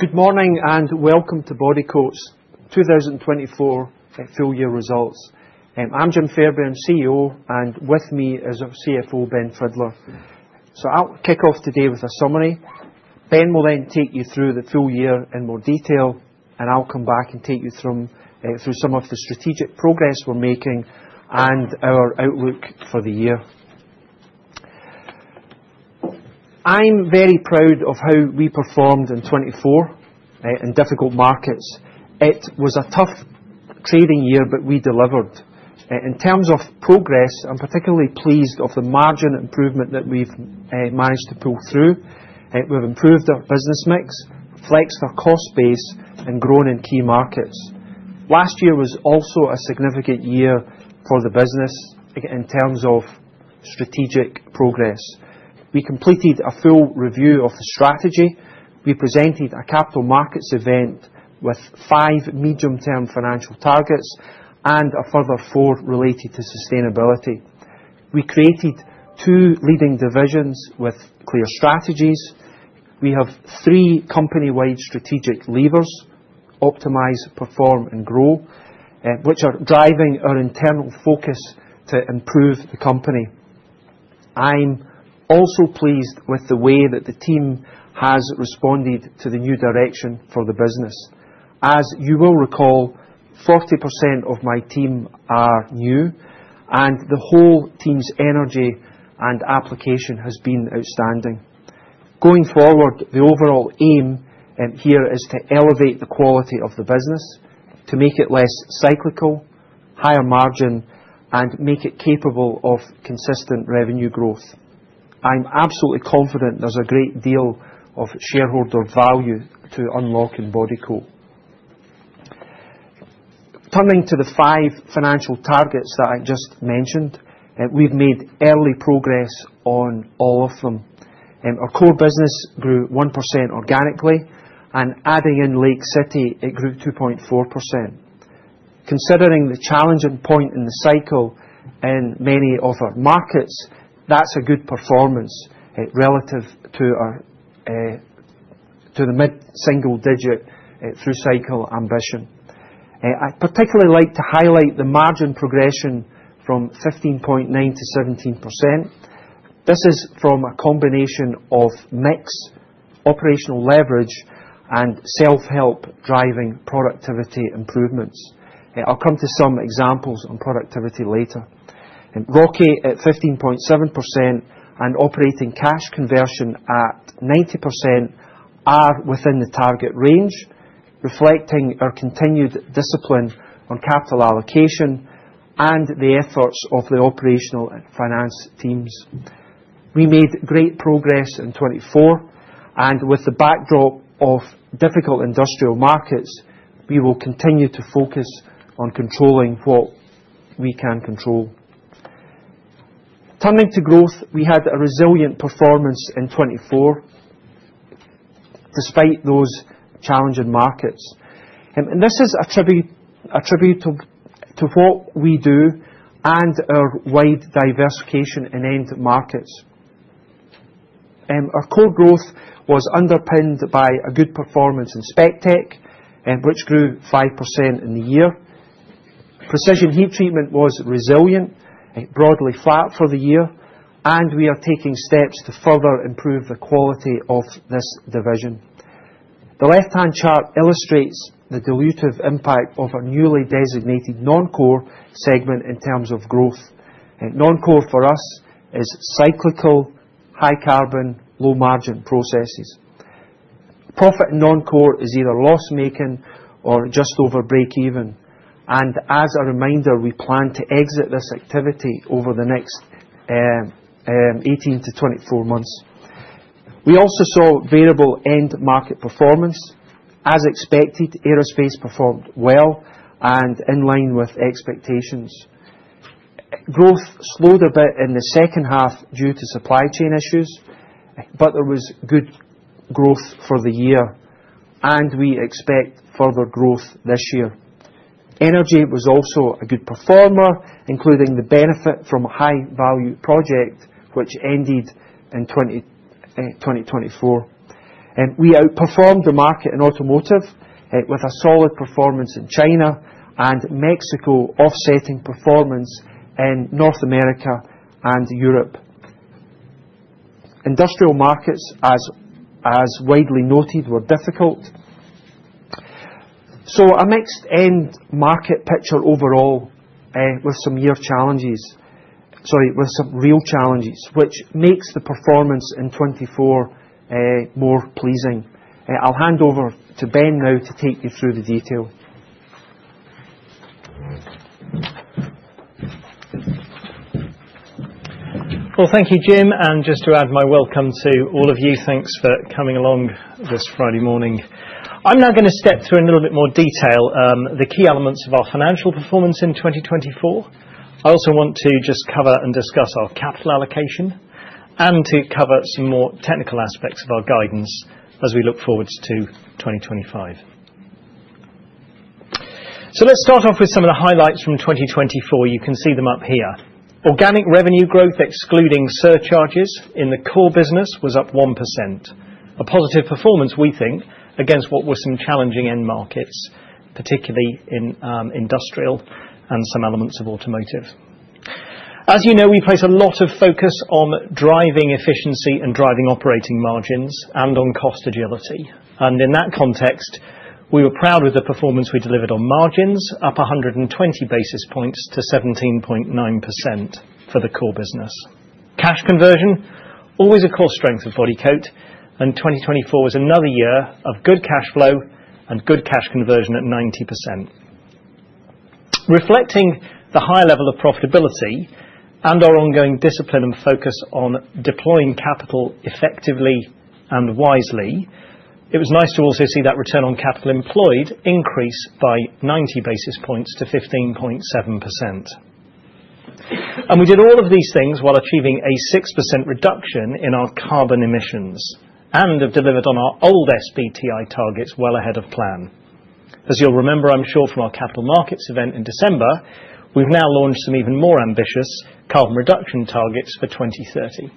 Good morning and welcome to Bodycote's 2024 full-year results. I'm Jim Fairbairn, CEO, and with me is our CFO, Ben Fidler. I'll kick off today with a summary. Ben will then take you through the full year in more detail, and I'll come back and take you through some of the strategic progress we're making and our outlook for the year. I'm very proud of how we performed in 2024 in difficult markets. It was a tough trading year, but we delivered. In terms of progress, I'm particularly pleased with the margin improvement that we've managed to pull through. We've improved our business mix, flexed our cost base, and grown in key markets. Last year was also a significant year for the business in terms of strategic progress. We completed a full review of the strategy. We presented a capital markets event with five medium-term financial targets and a further four related to sustainability. We created two leading divisions with clear strategies. We have three company-wide strategic levers: optimize, perform, and grow, which are driving our internal focus to improve the company. I'm also pleased with the way that the team has responded to the new direction for the business. As you will recall, 40% of my team are new, and the whole team's energy and application has been outstanding. Going forward, the overall aim here is to elevate the quality of the business, to make it less cyclical, higher margin, and make it capable of consistent revenue growth. I'm absolutely confident there's a great deal of shareholder value to unlock in Bodycote. Turning to the five financial targets that I just mentioned, we've made early progress on all of them. Our core business grew 1% organically, and adding in Lake City, it grew 2.4%. Considering the challenging point in the cycle in many of our markets, that's a good performance relative to the mid-single-digit through cycle ambition. I'd particularly like to highlight the margin progression from 15.9% to 17%. This is from a combination of mixed operational leverage and self-help driving productivity improvements. I'll come to some examples on productivity later. ROCE at 15.7% and operating cash conversion at 90% are within the target range, reflecting our continued discipline on capital allocation and the efforts of the operational and finance teams. We made great progress in 2024, and with the backdrop of difficult industrial markets, we will continue to focus on controlling what we can control. Turning to growth, we had a resilient performance in 2024 despite those challenging markets. This is attributable to what we do and our wide diversification in end markets. Our core growth was underpinned by a good performance in spec tech, which grew 5% in the year. Precision heat treatment was resilient, broadly flat for the year, and we are taking steps to further improve the quality of this division. The left-hand chart illustrates the dilutive impact of our newly designated non-core segment in terms of growth. Non-core for us is cyclical, high-carbon, low-margin processes. Profit in non-core is either loss-making or just over break-even. As a reminder, we plan to exit this activity over the next 18 to 24 months. We also saw variable end-market performance. As expected, aerospace performed well and in line with expectations. Growth slowed a bit in the second half due to supply chain issues, but there was good growth for the year, and we expect further growth this year. Energy was also a good performer, including the benefit from a high-value project which ended in 2024. We outperformed the market in automotive with a solid performance in China and Mexico, offsetting performance in North America and Europe. Industrial markets, as widely noted, were difficult. A mixed end market picture overall with some real challenges, which makes the performance in 2024 more pleasing. I'll hand over to Ben now to take you through the detail. Thank you, Jim. Just to add my welcome to all of you, thanks for coming along this Friday morning. I'm now going to step through in a little bit more detail the key elements of our financial performance in 2024. I also want to just cover and discuss our capital allocation and to cover some more technical aspects of our guidance as we look forward to 2025. Let's start off with some of the highlights from 2024. You can see them up here. Organic revenue growth, excluding surcharges in the core business, was up 1%. A positive performance, we think, against what were some challenging end markets, particularly in industrial and some elements of automotive. As you know, we place a lot of focus on driving efficiency and driving operating margins and on cost agility. In that context, we were proud with the performance we delivered on margins, up 120 basis points to 17.9% for the core business. Cash conversion, always a core strength of Bodycote, and 2024 was another year of good cash flow and good cash conversion at 90%. Reflecting the high level of profitability and our ongoing discipline and focus on deploying capital effectively and wisely, it was nice to also see that return on capital employed increase by 90 basis points to 15.7%. We did all of these things while achieving a 6% reduction in our carbon emissions and have delivered on our old SBTi targets well ahead of plan. As you'll remember, I'm sure, from our capital markets event in December, we've now launched some even more ambitious carbon reduction targets for 2030.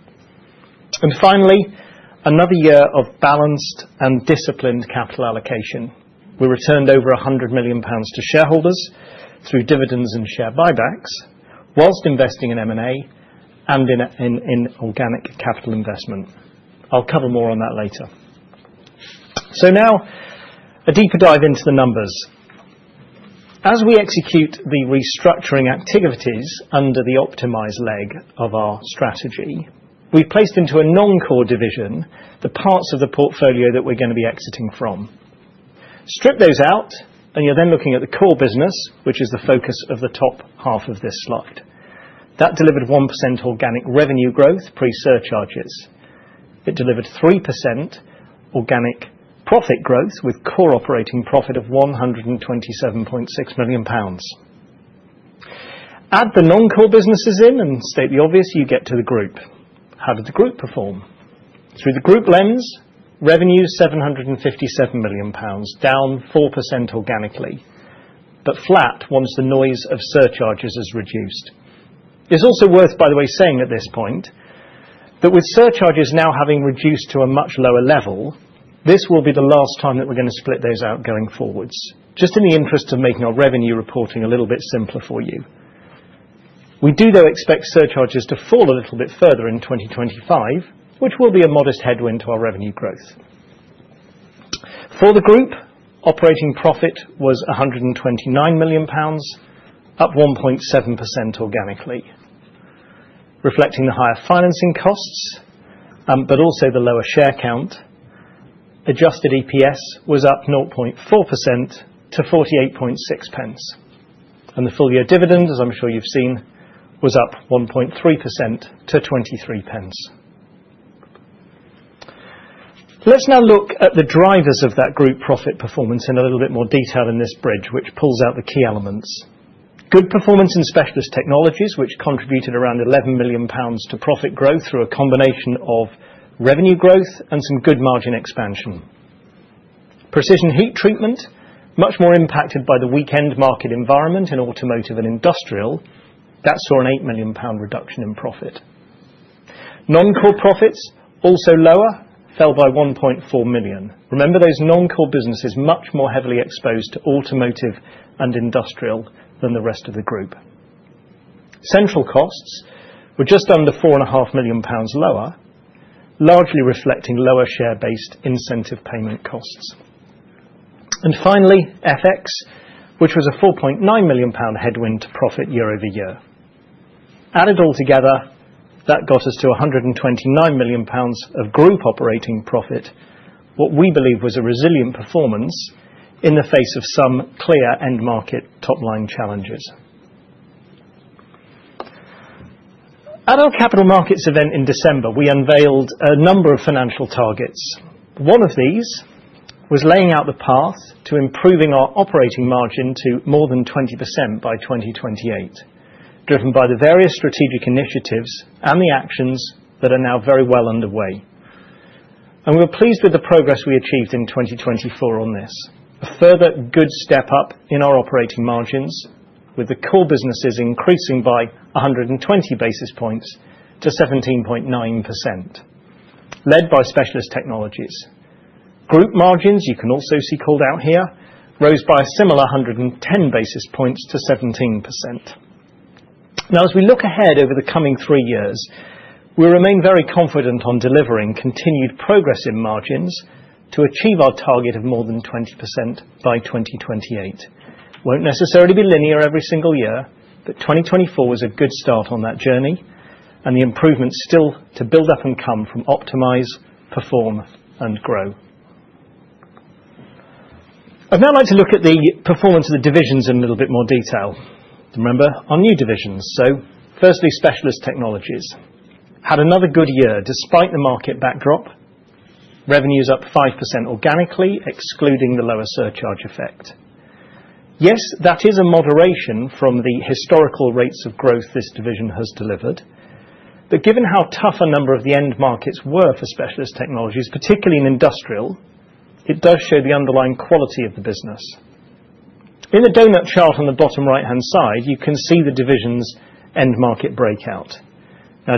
Finally, another year of balanced and disciplined capital allocation. We returned over 100 million pounds to shareholders through dividends and share buybacks whilst investing in M&A and in organic capital investment. I'll cover more on that later. Now, a deeper dive into the numbers. As we execute the restructuring activities under the optimized leg of our strategy, we've placed into a non-core division the parts of the portfolio that we're going to be exiting from. Strip those out, and you're then looking at the core business, which is the focus of the top half of this slide. That delivered 1% organic revenue growth pre-surcharges. It delivered 3% organic profit growth with core operating profit of 127.6 million pounds. Add the non-core businesses in and, to state the obvious, you get to the group. How did the group perform? Through the group lens, revenue 757 million pounds, down 4% organically, but flat once the noise of surcharges is reduced. It's also worth, by the way, saying at this point that with surcharges now having reduced to a much lower level, this will be the last time that we're going to split those out going forwards, just in the interest of making our revenue reporting a little bit simpler for you. We do, though, expect surcharges to fall a little bit further in 2025, which will be a modest headwind to our revenue growth. For the group, operating profit was 129 million pounds, up 1.7% organically. Reflecting the higher financing costs, but also the lower share count, adjusted EPS was up 0.4% to 48.6. The full-year dividend, as I'm sure you've seen, was up 1.3% to 23. Let's now look at the drivers of that group profit performance in a little bit more detail in this bridge, which pulls out the key elements. Good performance in specialist technologies, which contributed around 11 million pounds to profit growth through a combination of revenue growth and some good margin expansion. Precision heat treatment, much more impacted by the weak end market environment in automotive and industrial, that saw a 8 million pound reduction in profit. Non-core profits, also lower, fell by 1.4 million. Remember, those non-core businesses are much more heavily exposed to automotive and industrial than the rest of the group. Central costs were just under 4.5 million pounds lower, largely reflecting lower share-based incentive payment costs. Finally, FX, which was a 4.9 million pound headwind to profit year over year. Added all together, that got us to 129 million pounds of group operating profit, what we believe was a resilient performance in the face of some clear end market top-line challenges. At our capital markets event in December, we unveiled a number of financial targets. One of these was laying out the path to improving our operating margin to more than 20% by 2028, driven by the various strategic initiatives and the actions that are now very well underway. We were pleased with the progress we achieved in 2024 on this, a further good step up in our operating margins, with the core businesses increasing by 120 basis points to 17.9%, led by specialist technologies. Group margins, you can also see called out here, rose by a similar 110 basis points to 17%. Now, as we look ahead over the coming three years, we remain very confident on delivering continued progress in margins to achieve our target of more than 20% by 2028. It will not necessarily be linear every single year, but 2024 was a good start on that journey, and the improvements still to build up and come from optimize, perform, and grow. I'd now like to look at the performance of the divisions in a little bit more detail. Remember, our new divisions. Firstly, specialist technologies had another good year despite the market backdrop. Revenues up 5% organically, excluding the lower surcharge effect. Yes, that is a moderation from the historical rates of growth this division has delivered. Given how tough a number of the end markets were for specialist technologies, particularly in industrial, it does show the underlying quality of the business. In the donut chart on the bottom right-hand side, you can see the division's end market breakout.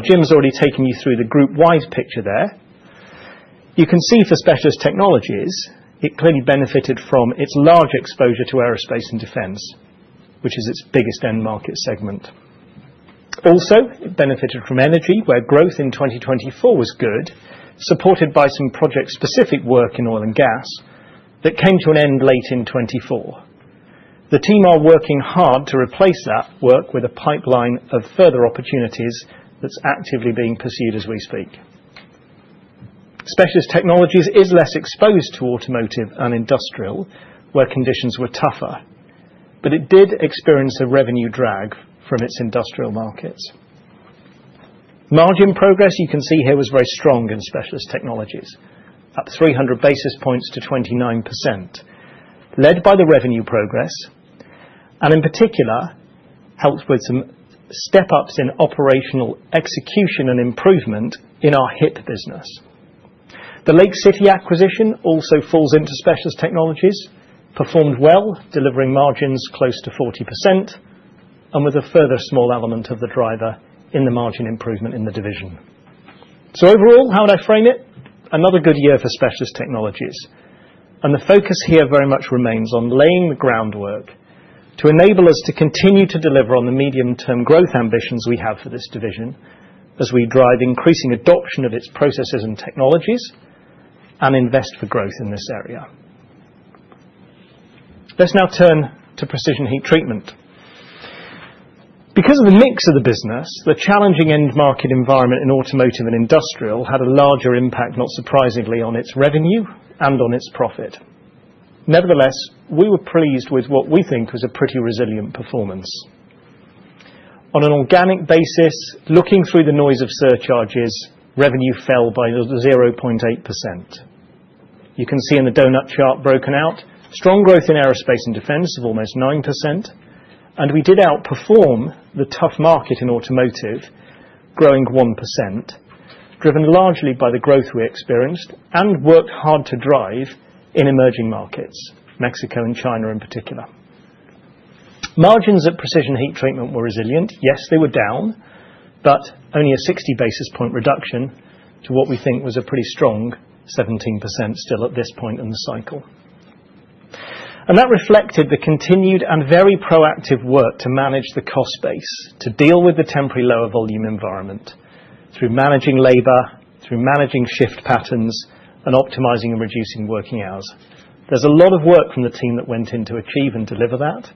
Jim's already taken you through the group-wide picture there. You can see for specialist technologies, it clearly benefited from its large exposure to aerospace and defense, which is its biggest end market segment. Also, it benefited from energy, where growth in 2024 was good, supported by some project-specific work in oil and gas that came to an end late in 2024. The team are working hard to replace that work with a pipeline of further opportunities that's actively being pursued as we speak. Specialist technologies is less exposed to automotive and industrial, where conditions were tougher, but it did experience a revenue drag from its industrial markets. Margin progress, you can see here, was very strong in specialist technologies, up 300 basis points to 29%, led by the revenue progress, and in particular, helped with some step-ups in operational execution and improvement in our HIP business. The Lake City acquisition also falls into specialist technologies, performed well, delivering margins close to 40%, and with a further small element of the driver in the margin improvement in the division. Overall, how would I frame it? Another good year for specialist technologies. The focus here very much remains on laying the groundwork to enable us to continue to deliver on the medium-term growth ambitions we have for this division as we drive increasing adoption of its processes and technologies and invest for growth in this area. Let's now turn to precision heat treatment. Because of the mix of the business, the challenging end market environment in automotive and industrial had a larger impact, not surprisingly, on its revenue and on its profit. Nevertheless, we were pleased with what we think was a pretty resilient performance. On an organic basis, looking through the noise of surcharges, revenue fell by 0.8%. You can see in the donut chart broken out, strong growth in aerospace and defence of almost 9%. We did outperform the tough market in automotive, growing 1%, driven largely by the growth we experienced and worked hard to drive in emerging markets, Mexico and China in particular. Margins at precision heat treatment were resilient. Yes, they were down, but only a 60 basis point reduction to what we think was a pretty strong 17% still at this point in the cycle. That reflected the continued and very proactive work to manage the cost base to deal with the temporary lower volume environment through managing labor, through managing shift patterns, and optimizing and reducing working hours. There is a lot of work from the team that went into achieving and delivering that.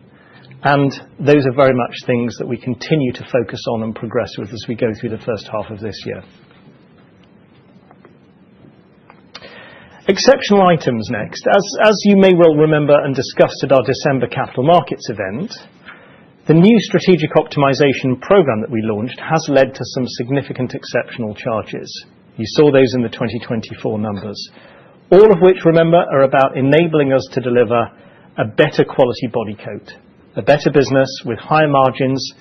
Those are very much things that we continue to focus on and progress with as we go through the first half of this year. Exceptional items next. As you may well remember and discussed at our December capital markets event, the new strategic optimization program that we launched has led to some significant exceptional charges. You saw those in the 2024 numbers, all of which, remember, are about enabling us to deliver a better quality Bodycote, a better business with higher margins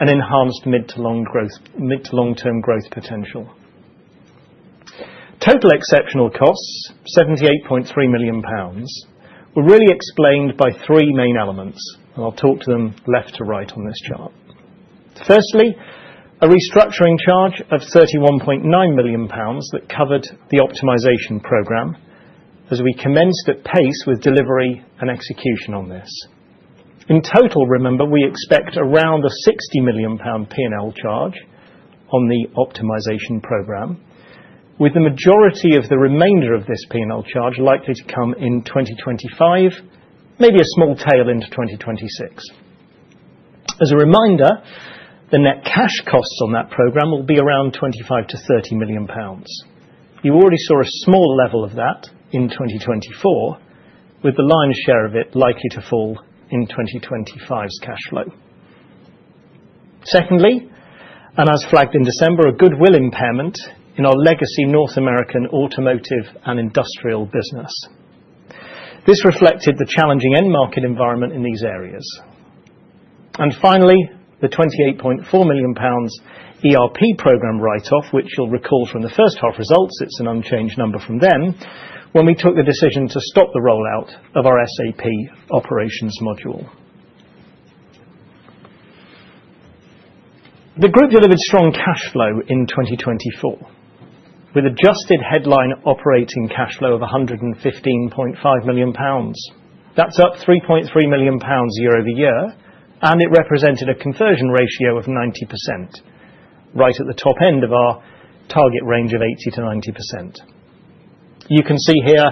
and enhanced mid-to-long-term growth potential. Total exceptional costs, 78.3 million pounds, were really explained by three main elements, and I'll talk to them left to right on this chart. Firstly, a restructuring charge of GBP 31.9 million that covered the optimization program as we commenced at pace with delivery and execution on this. In total, remember, we expect around a 60 million pound P&L charge on the optimization program, with the majority of the remainder of this P&L charge likely to come in 2025, maybe a small tail into 2026. As a reminder, the net cash costs on that program will be around 25 million-30 million pounds. You already saw a small level of that in 2024, with the lion's share of it likely to fall in 2025's cash flow. Secondly, and as flagged in December, a goodwill impairment in our legacy North American automotive and industrial business. This reflected the challenging end market environment in these areas. Finally, the 28.4 million pounds ERP program write-off, which you'll recall from the first half results, it's an unchanged number from then, when we took the decision to stop the rollout of our SAP operations module. The group delivered strong cash flow in 2024, with adjusted headline operating cash flow of 115.5 million pounds. That's up 3.3 million pounds year over year, and it represented a conversion ratio of 90%, right at the top end of our target range of 80%-90%. You can see here,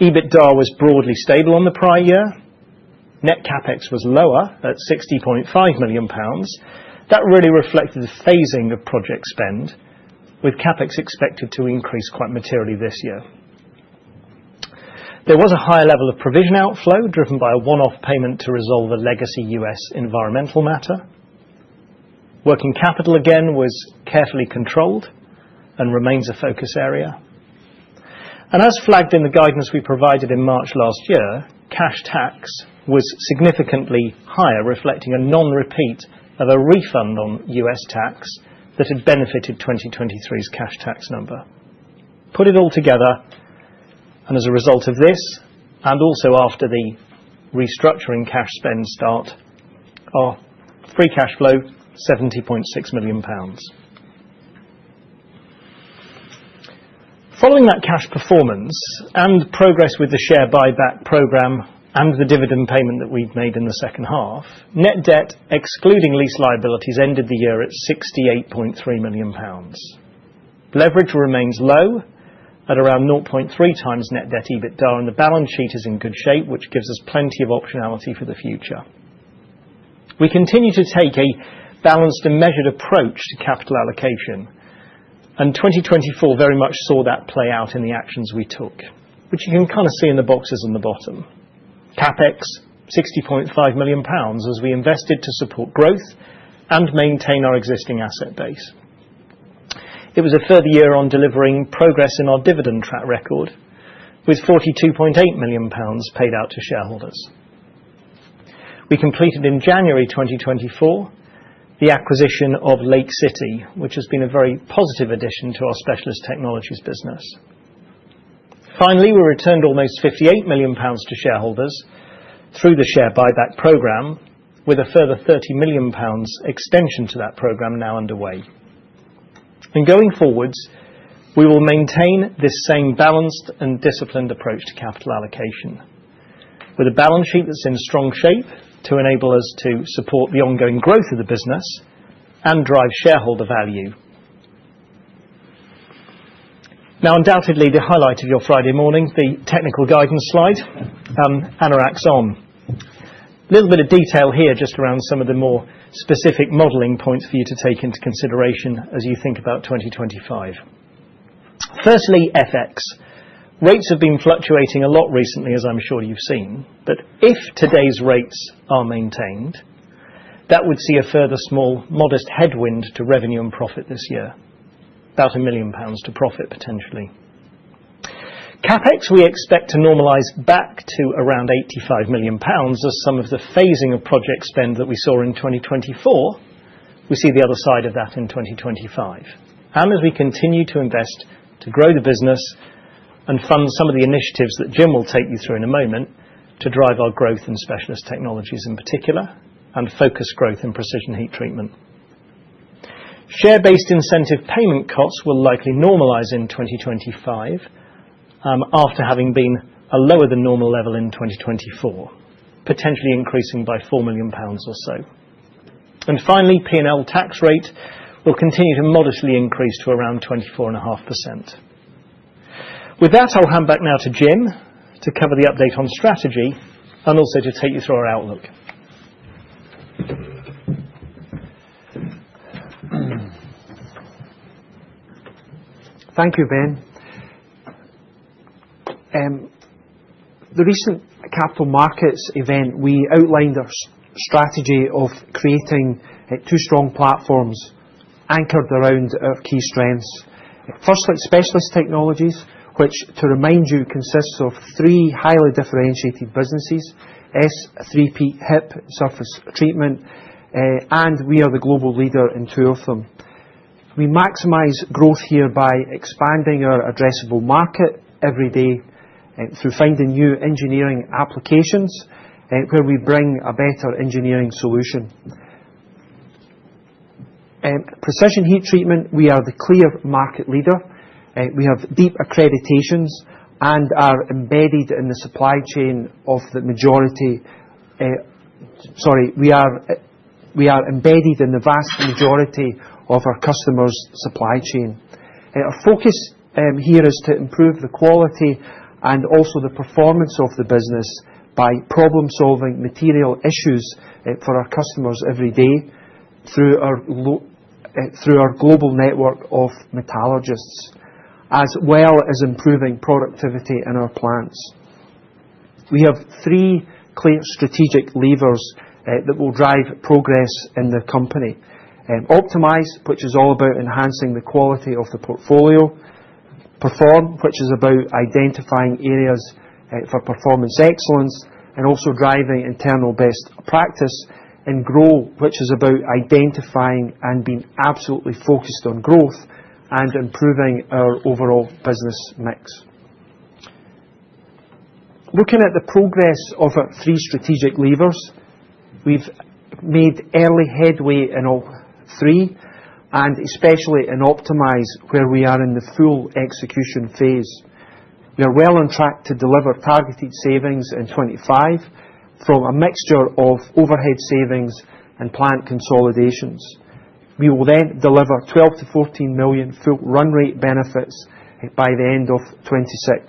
EBITDA was broadly stable on the prior year. Net CapEx was lower at 60.5 million pounds. That really reflected the phasing of project spend, with CapEx expected to increase quite materially this year. There was a higher level of provision outflow driven by a one-off payment to resolve a legacy U.S. environmental matter. Working capital again was carefully controlled and remains a focus area. As flagged in the guidance we provided in March last year, cash tax was significantly higher, reflecting a non-repeat of a refund on U.S. tax that had benefited 2023's cash tax number. Put it all together, and as a result of this, and also after the restructuring cash spend start, our free cash flow, GBP 70.6 million. Following that cash performance and progress with the share buyback program and the dividend payment that we've made in the second half, net debt, excluding lease liabilities, ended the year at 68.3 million pounds. Leverage remains low at around 0.3x net debt EBITDA, and the balance sheet is in good shape, which gives us plenty of optionality for the future. We continue to take a balanced and measured approach to capital allocation, and 2024 very much saw that play out in the actions we took, which you can kind of see in the boxes on the bottom. CapEx, 60.5 million pounds, as we invested to support growth and maintain our existing asset base. It was a further year on delivering progress in our dividend track record, with 42.8 million pounds paid out to shareholders. We completed in January 2024 the acquisition of Lake City, which has been a very positive addition to our specialist technologies business. Finally, we returned almost 58 million pounds to shareholders through the share buyback program, with a further 30 million pounds extension to that program now underway. Going forwards, we will maintain this same balanced and disciplined approach to capital allocation, with a balance sheet that is in strong shape to enable us to support the ongoing growth of the business and drive shareholder value. Now, undoubtedly, the highlight of your Friday morning, the technical guidance slide, and Iraq's on. A little bit of detail here just around some of the more specific modeling points for you to take into consideration as you think about 2025. Firstly, FX. Rates have been fluctuating a lot recently, as I'm sure you've seen, but if today's rates are maintained, that would see a further small modest headwind to revenue and profit this year, about 1 million pounds to profit potentially. CapEx, we expect to normalize back to around 85 million pounds as some of the phasing of project spend that we saw in 2024. We see the other side of that in 2025. As we continue to invest to grow the business and fund some of the initiatives that Jim will take you through in a moment to drive our growth in specialist technologies in particular and focus growth in precision heat treatment. Share-based incentive payment costs will likely normalize in 2025 after having been a lower than normal level in 2024, potentially increasing by 4 million pounds or so. Finally, P&L tax rate will continue to modestly increase to around 24.5%. With that, I'll hand back now to Jim to cover the update on strategy and also to take you through our outlook. Thank you, Ben. The recent capital markets event, we outlined our strategy of creating two strong platforms anchored around our key strengths. Firstly, specialist technologies, which, to remind you, consists of three highly differentiated businesses: S3P, HIP, surface treatment, and we are the global leader in two of them. We maximize growth here by expanding our addressable market every day through finding new engineering applications where we bring a better engineering solution. Precision heat treatment, we are the clear market leader. We have deep accreditations and are embedded in the supply chain of the majority—sorry, we are embedded in the vast majority of our customers' supply chain. Our focus here is to improve the quality and also the performance of the business by problem-solving material issues for our customers every day through our global network of metallurgists, as well as improving productivity in our plants. We have three clear strategic levers that will drive progress in the company: optimize, which is all about enhancing the quality of the portfolio; perform, which is about identifying areas for performance excellence and also driving internal best practice; and grow, which is about identifying and being absolutely focused on growth and improving our overall business mix. Looking at the progress of our three strategic levers, we've made early headway in all three, and especially in optimize where we are in the full execution phase. We are well on track to deliver targeted savings in 2025 from a mixture of overhead savings and plant consolidations. We will then deliver 12 million-14 million full run rate benefits by the end of 2026.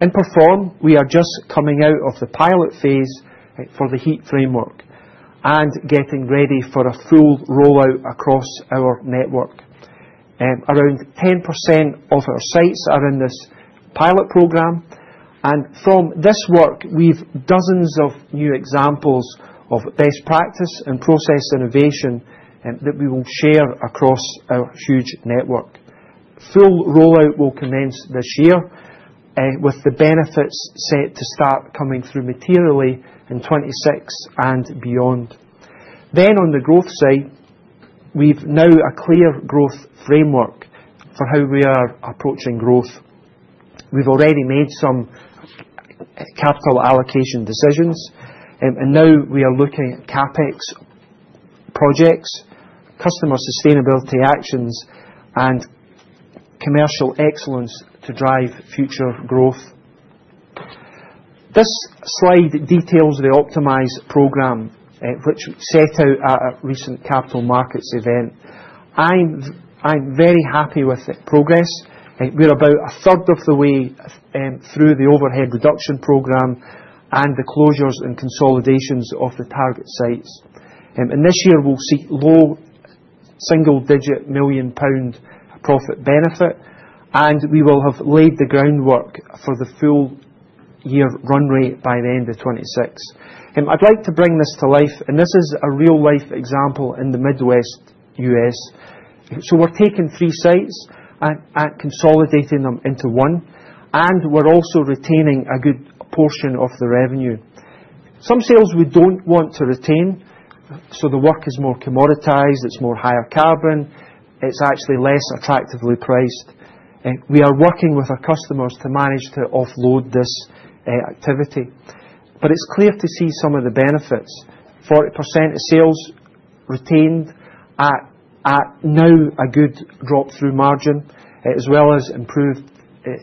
In perform, we are just coming out of the pilot phase for the heat framework and getting ready for a full rollout across our network. Around 10% of our sites are in this pilot program. From this work, we have dozens of new examples of best practice and process innovation that we will share across our huge network. Full rollout will commence this year with the benefits set to start coming through materially in 2026 and beyond. On the growth side, we now have a clear growth framework for how we are approaching growth. We have already made some capital allocation decisions, and now we are looking at CapEx projects, customer sustainability actions, and commercial excellence to drive future growth. This slide details the optimize program, which we set out at a recent capital markets event. I'm very happy with the progress. We're about a third of the way through the overhead reduction program and the closures and consolidations of the target sites. This year, we'll see low single-digit million GBP profit benefit, and we will have laid the groundwork for the full year run rate by the end of 2026. I'd like to bring this to life, and this is a real-life example in the Midwest U.S. We're taking three sites and consolidating them into one, and we're also retaining a good portion of the revenue. Some sales we don't want to retain, so the work is more commoditized, it's more higher carbon, it's actually less attractively priced. We are working with our customers to manage to offload this activity. It is clear to see some of the benefits. 40% of sales retained at now a good drop-through margin, as well as improved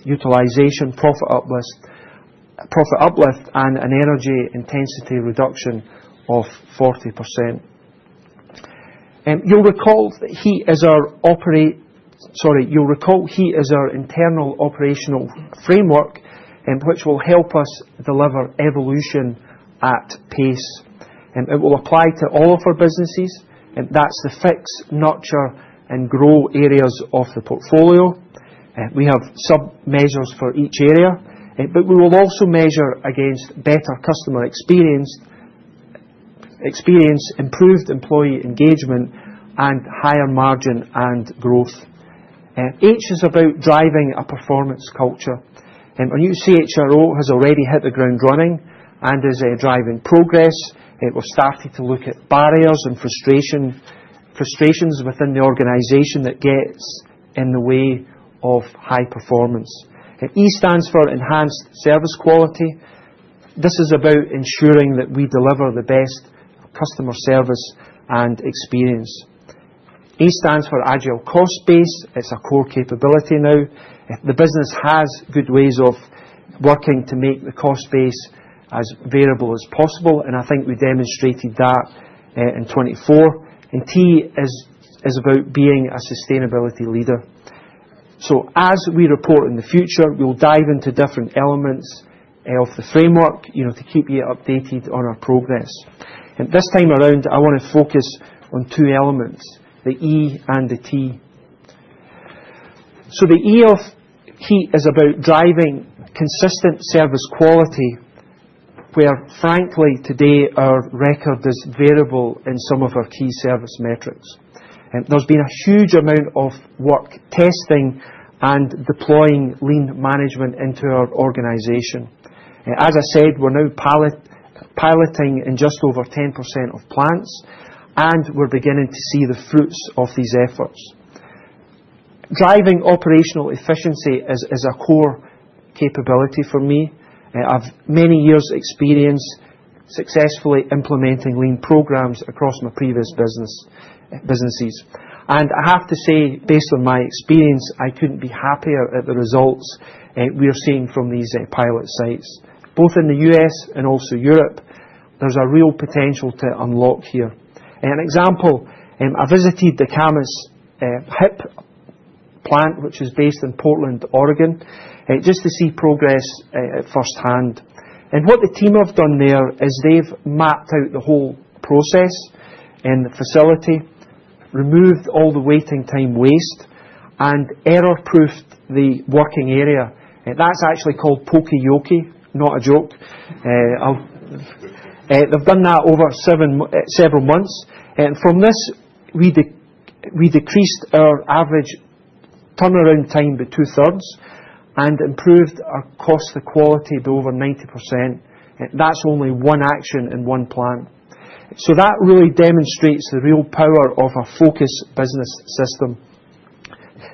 utilization, profit uplift, and an energy intensity reduction of 40%. You'll recall heat is our internal operational framework, which will help us deliver evolution at pace. It will apply to all of our businesses. That's the fix, nurture, and grow areas of the portfolio. We have sub-measures for each area, but we will also measure against better customer experience, improved employee engagement, and higher margin and growth. H is about driving a performance culture. When you see HRO has already hit the ground running and is driving progress, it will start to look at barriers and frustrations within the organization that get in the way of high performance. E stands for enhanced service quality. This is about ensuring that we deliver the best customer service and experience. E stands for agile cost base. It's a core capability now. The business has good ways of working to make the cost base as variable as possible, and I think we demonstrated that in 2024. T is about being a sustainability leader. As we report in the future, we'll dive into different elements of the framework to keep you updated on our progress. This time around, I want to focus on two elements, the E and the T. The E of heat is about driving consistent service quality, where, frankly, today our record is variable in some of our key service metrics. There's been a huge amount of work testing and deploying lean management into our organization. As I said, we're now piloting in just over 10% of plants, and we're beginning to see the fruits of these efforts. Driving operational efficiency is a core capability for me. I have many years' experience successfully implementing lean programs across my previous businesses. I have to say, based on my experience, I couldn't be happier at the results we are seeing from these pilot sites. Both in the U.S. and also Europe, there's a real potential to unlock here. An example, I visited the Camas HIP plant, which is based in Portland, Oregon, just to see progress firsthand. What the team have done there is they've mapped out the whole process and the facility, removed all the waiting time waste, and error-proofed the working area. That's actually called Poka-Yoke, not a joke. They've done that over several months. From this, we decreased our average turnaround time by two-thirds and improved our cost of quality by over 90%. That is only one action in one plant. That really demonstrates the real power of our focus business system.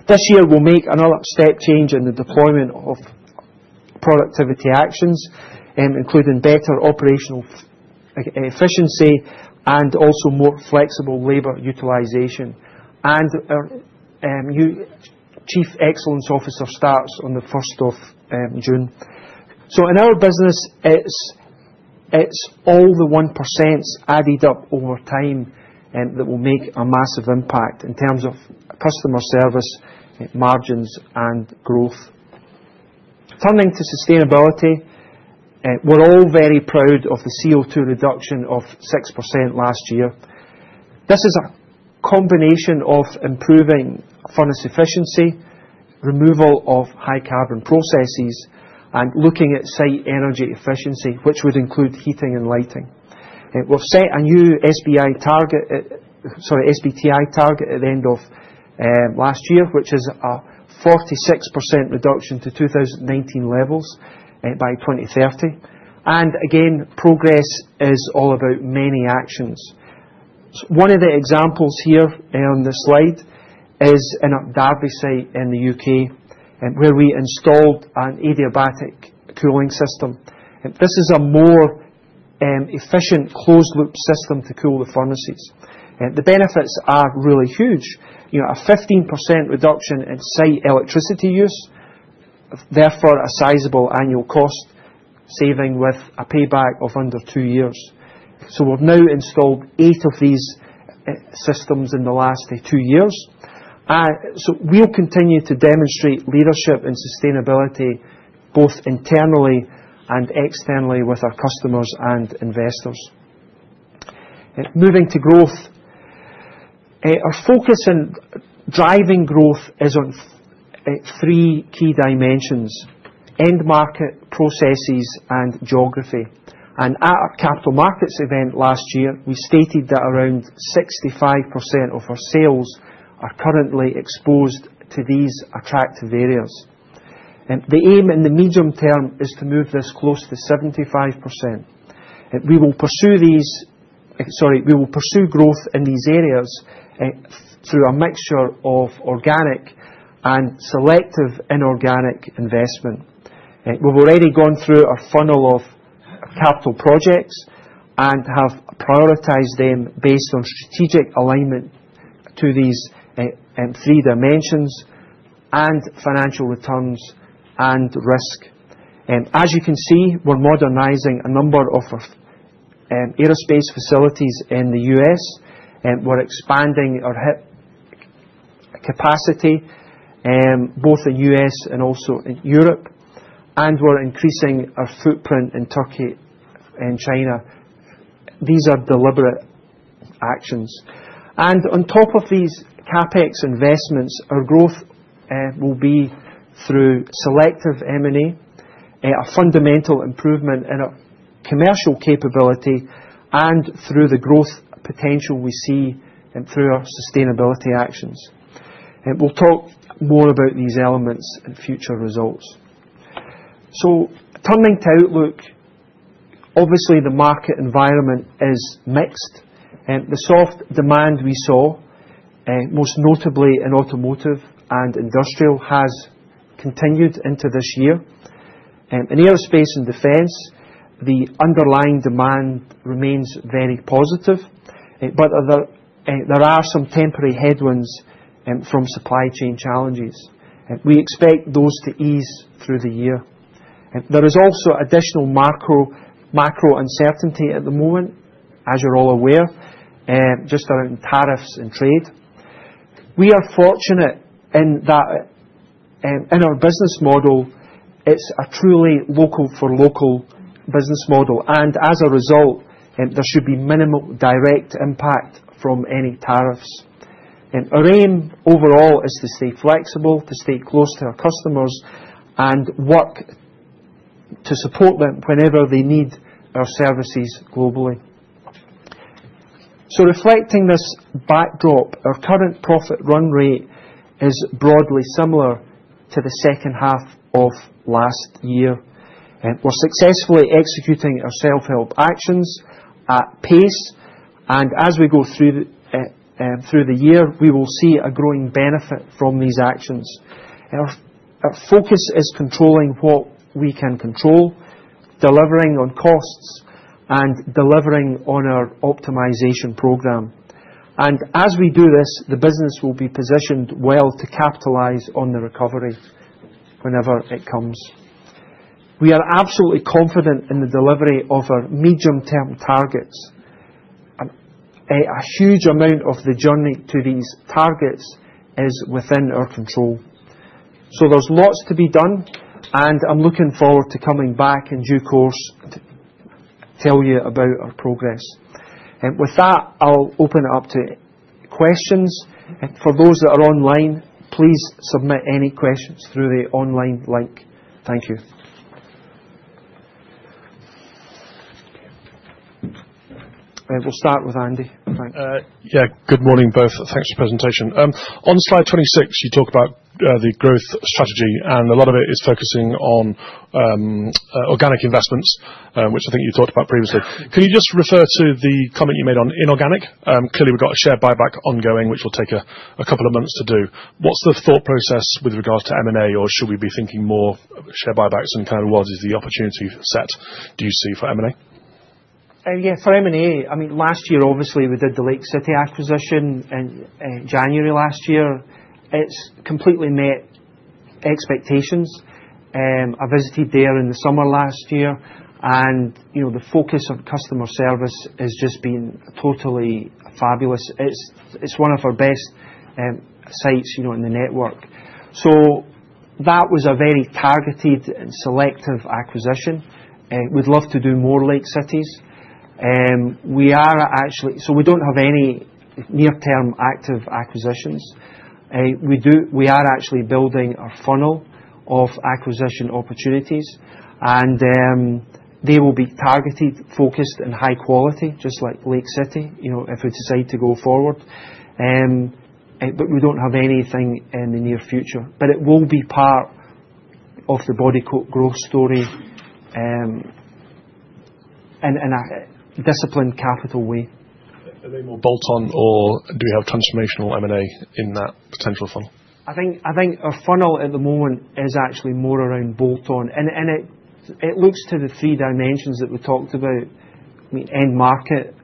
This year, we will make another step change in the deployment of productivity actions, including better operational efficiency and also more flexible labor utilization. Our Chief Excellence Officer starts on the 1st of June. In our business, it is all the 1% added up over time that will make a massive impact in terms of customer service, margins, and growth. Turning to sustainability, we are all very proud of the CO2 reduction of 6% last year. This is a combination of improving furnace efficiency, removal of high carbon processes, and looking at site energy efficiency, which would include heating and lighting. We've set a new SBTi target at the end of last year, which is a 46% reduction to 2019 levels by 2030. Progress is all about many actions. One of the examples here on the slide is in our Derby site in the U.K., where we installed an adiabatic cooling system. This is a more efficient closed-loop system to cool the furnaces. The benefits are really huge. A 15% reduction in site electricity use, therefore a sizable annual cost saving with a payback of under two years. We have now installed eight of these systems in the last two years. We will continue to demonstrate leadership in sustainability both internally and externally with our customers and investors. Moving to growth, our focus in driving growth is on three key dimensions: end market, processes, and geography. At our capital markets event last year, we stated that around 65% of our sales are currently exposed to these attractive areas. The aim in the medium term is to move this close to 75%. We will pursue growth in these areas through a mixture of organic and selective inorganic investment. We've already gone through a funnel of capital projects and have prioritized them based on strategic alignment to these three dimensions and financial returns and risk. As you can see, we're modernizing a number of our aerospace facilities in the U.S. We're expanding our capacity both in the U.S. and also in Europe, and we're increasing our footprint in Turkey and China. These are deliberate actions. On top of these CapEx investments, our growth will be through selective M&A, a fundamental improvement in our commercial capability, and through the growth potential we see through our sustainability actions. We will talk more about these elements in future results. Turning to outlook, obviously the market environment is mixed. The soft demand we saw, most notably in automotive and industrial, has continued into this year. In aerospace and defense, the underlying demand remains very positive, but there are some temporary headwinds from supply chain challenges. We expect those to ease through the year. There is also additional macro uncertainty at the moment, as you are all aware, just around tariffs and trade. We are fortunate in that in our business model, it is a truly local-for-local business model, and as a result, there should be minimal direct impact from any tariffs. Our aim overall is to stay flexible, to stay close to our customers, and work to support them whenever they need our services globally. Reflecting this backdrop, our current profit run rate is broadly similar to the second half of last year. We're successfully executing our self-help actions at pace, and as we go through the year, we will see a growing benefit from these actions. Our focus is controlling what we can control, delivering on costs, and delivering on our optimization program. As we do this, the business will be positioned well to capitalize on the recovery whenever it comes. We are absolutely confident in the delivery of our medium-term targets. A huge amount of the journey to these targets is within our control. There is lots to be done, and I'm looking forward to coming back in due course to tell you about our progress. With that, I'll open it up to questions. For those that are online, please submit any questions through the online link. Thank you. We'll start with Andy. Yeah, good morning both. Thanks for the presentation. On slide 26, you talk about the growth strategy, and a lot of it is focusing on organic investments, which I think you talked about previously. Can you just refer to the comment you made on inorganic? Clearly, we've got a share buyback ongoing, which will take a couple of months to do. What's the thought process with regards to M&A, or should we be thinking more share buybacks, and kind of what is the opportunity set do you see for M&A? Yeah, for M&A, I mean, last year, obviously, we did the Lake City acquisition in January last year. It's completely met expectations. I visited there in the summer last year, and the focus on customer service has just been totally fabulous. It's one of our best sites in the network. That was a very targeted and selective acquisition. We'd love to do more Lake Cities. We are actually—so we don't have any near-term active acquisitions. We are actually building a funnel of acquisition opportunities, and they will be targeted, focused, and high quality, just like Lake City, if we decide to go forward. We don't have anything in the near future. It will be part of the Bodycote growth story in a disciplined capital way. Are they more bolt-on, or do we have transformational M&A in that potential funnel? I think our funnel at the moment is actually more around bolt-on. It looks to the three dimensions that we talked about. End market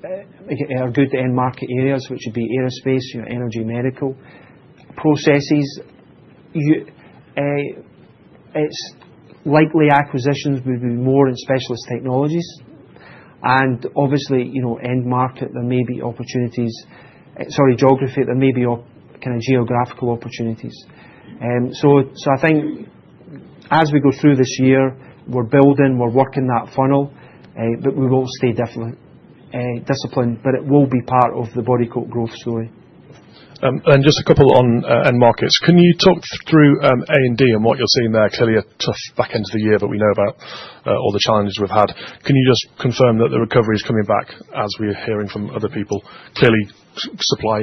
are good end market areas, which would be aerospace, energy, medical processes. It's likely acquisitions will be more in specialist technologies. Obviously, end market, there may be opportunities—sorry, geography, there may be kind of geographical opportunities. I think as we go through this year, we're building, we're working that funnel, but we will stay disciplined. It will be part of the Bodycote growth story. Just a couple on end markets. Can you talk through A&D and what you're seeing there? Clearly, a tough back end of the year that we know about, all the challenges we've had. Can you just confirm that the recovery is coming back as we're hearing from other people? Clearly, supply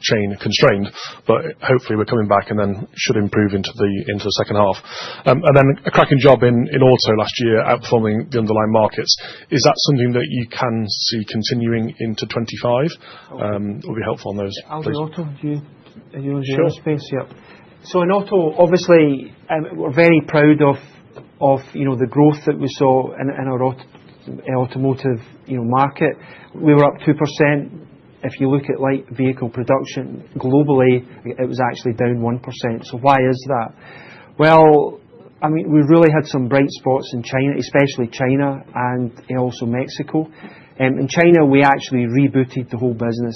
chain constrained, but hopefully we're coming back and then should improve into the second half. Then a cracking job in auto last year, outperforming the underlying markets. Is that something that you can see continuing into 2025? It will be helpful on those. Out of the auto gear space, yeah. In auto, obviously, we're very proud of the growth that we saw in our automotive market. We were up 2%. If you look at vehicle production globally, it was actually down 1%. Why is that? I mean, we really had some bright spots in China, especially China and also Mexico. In China, we actually rebooted the whole business.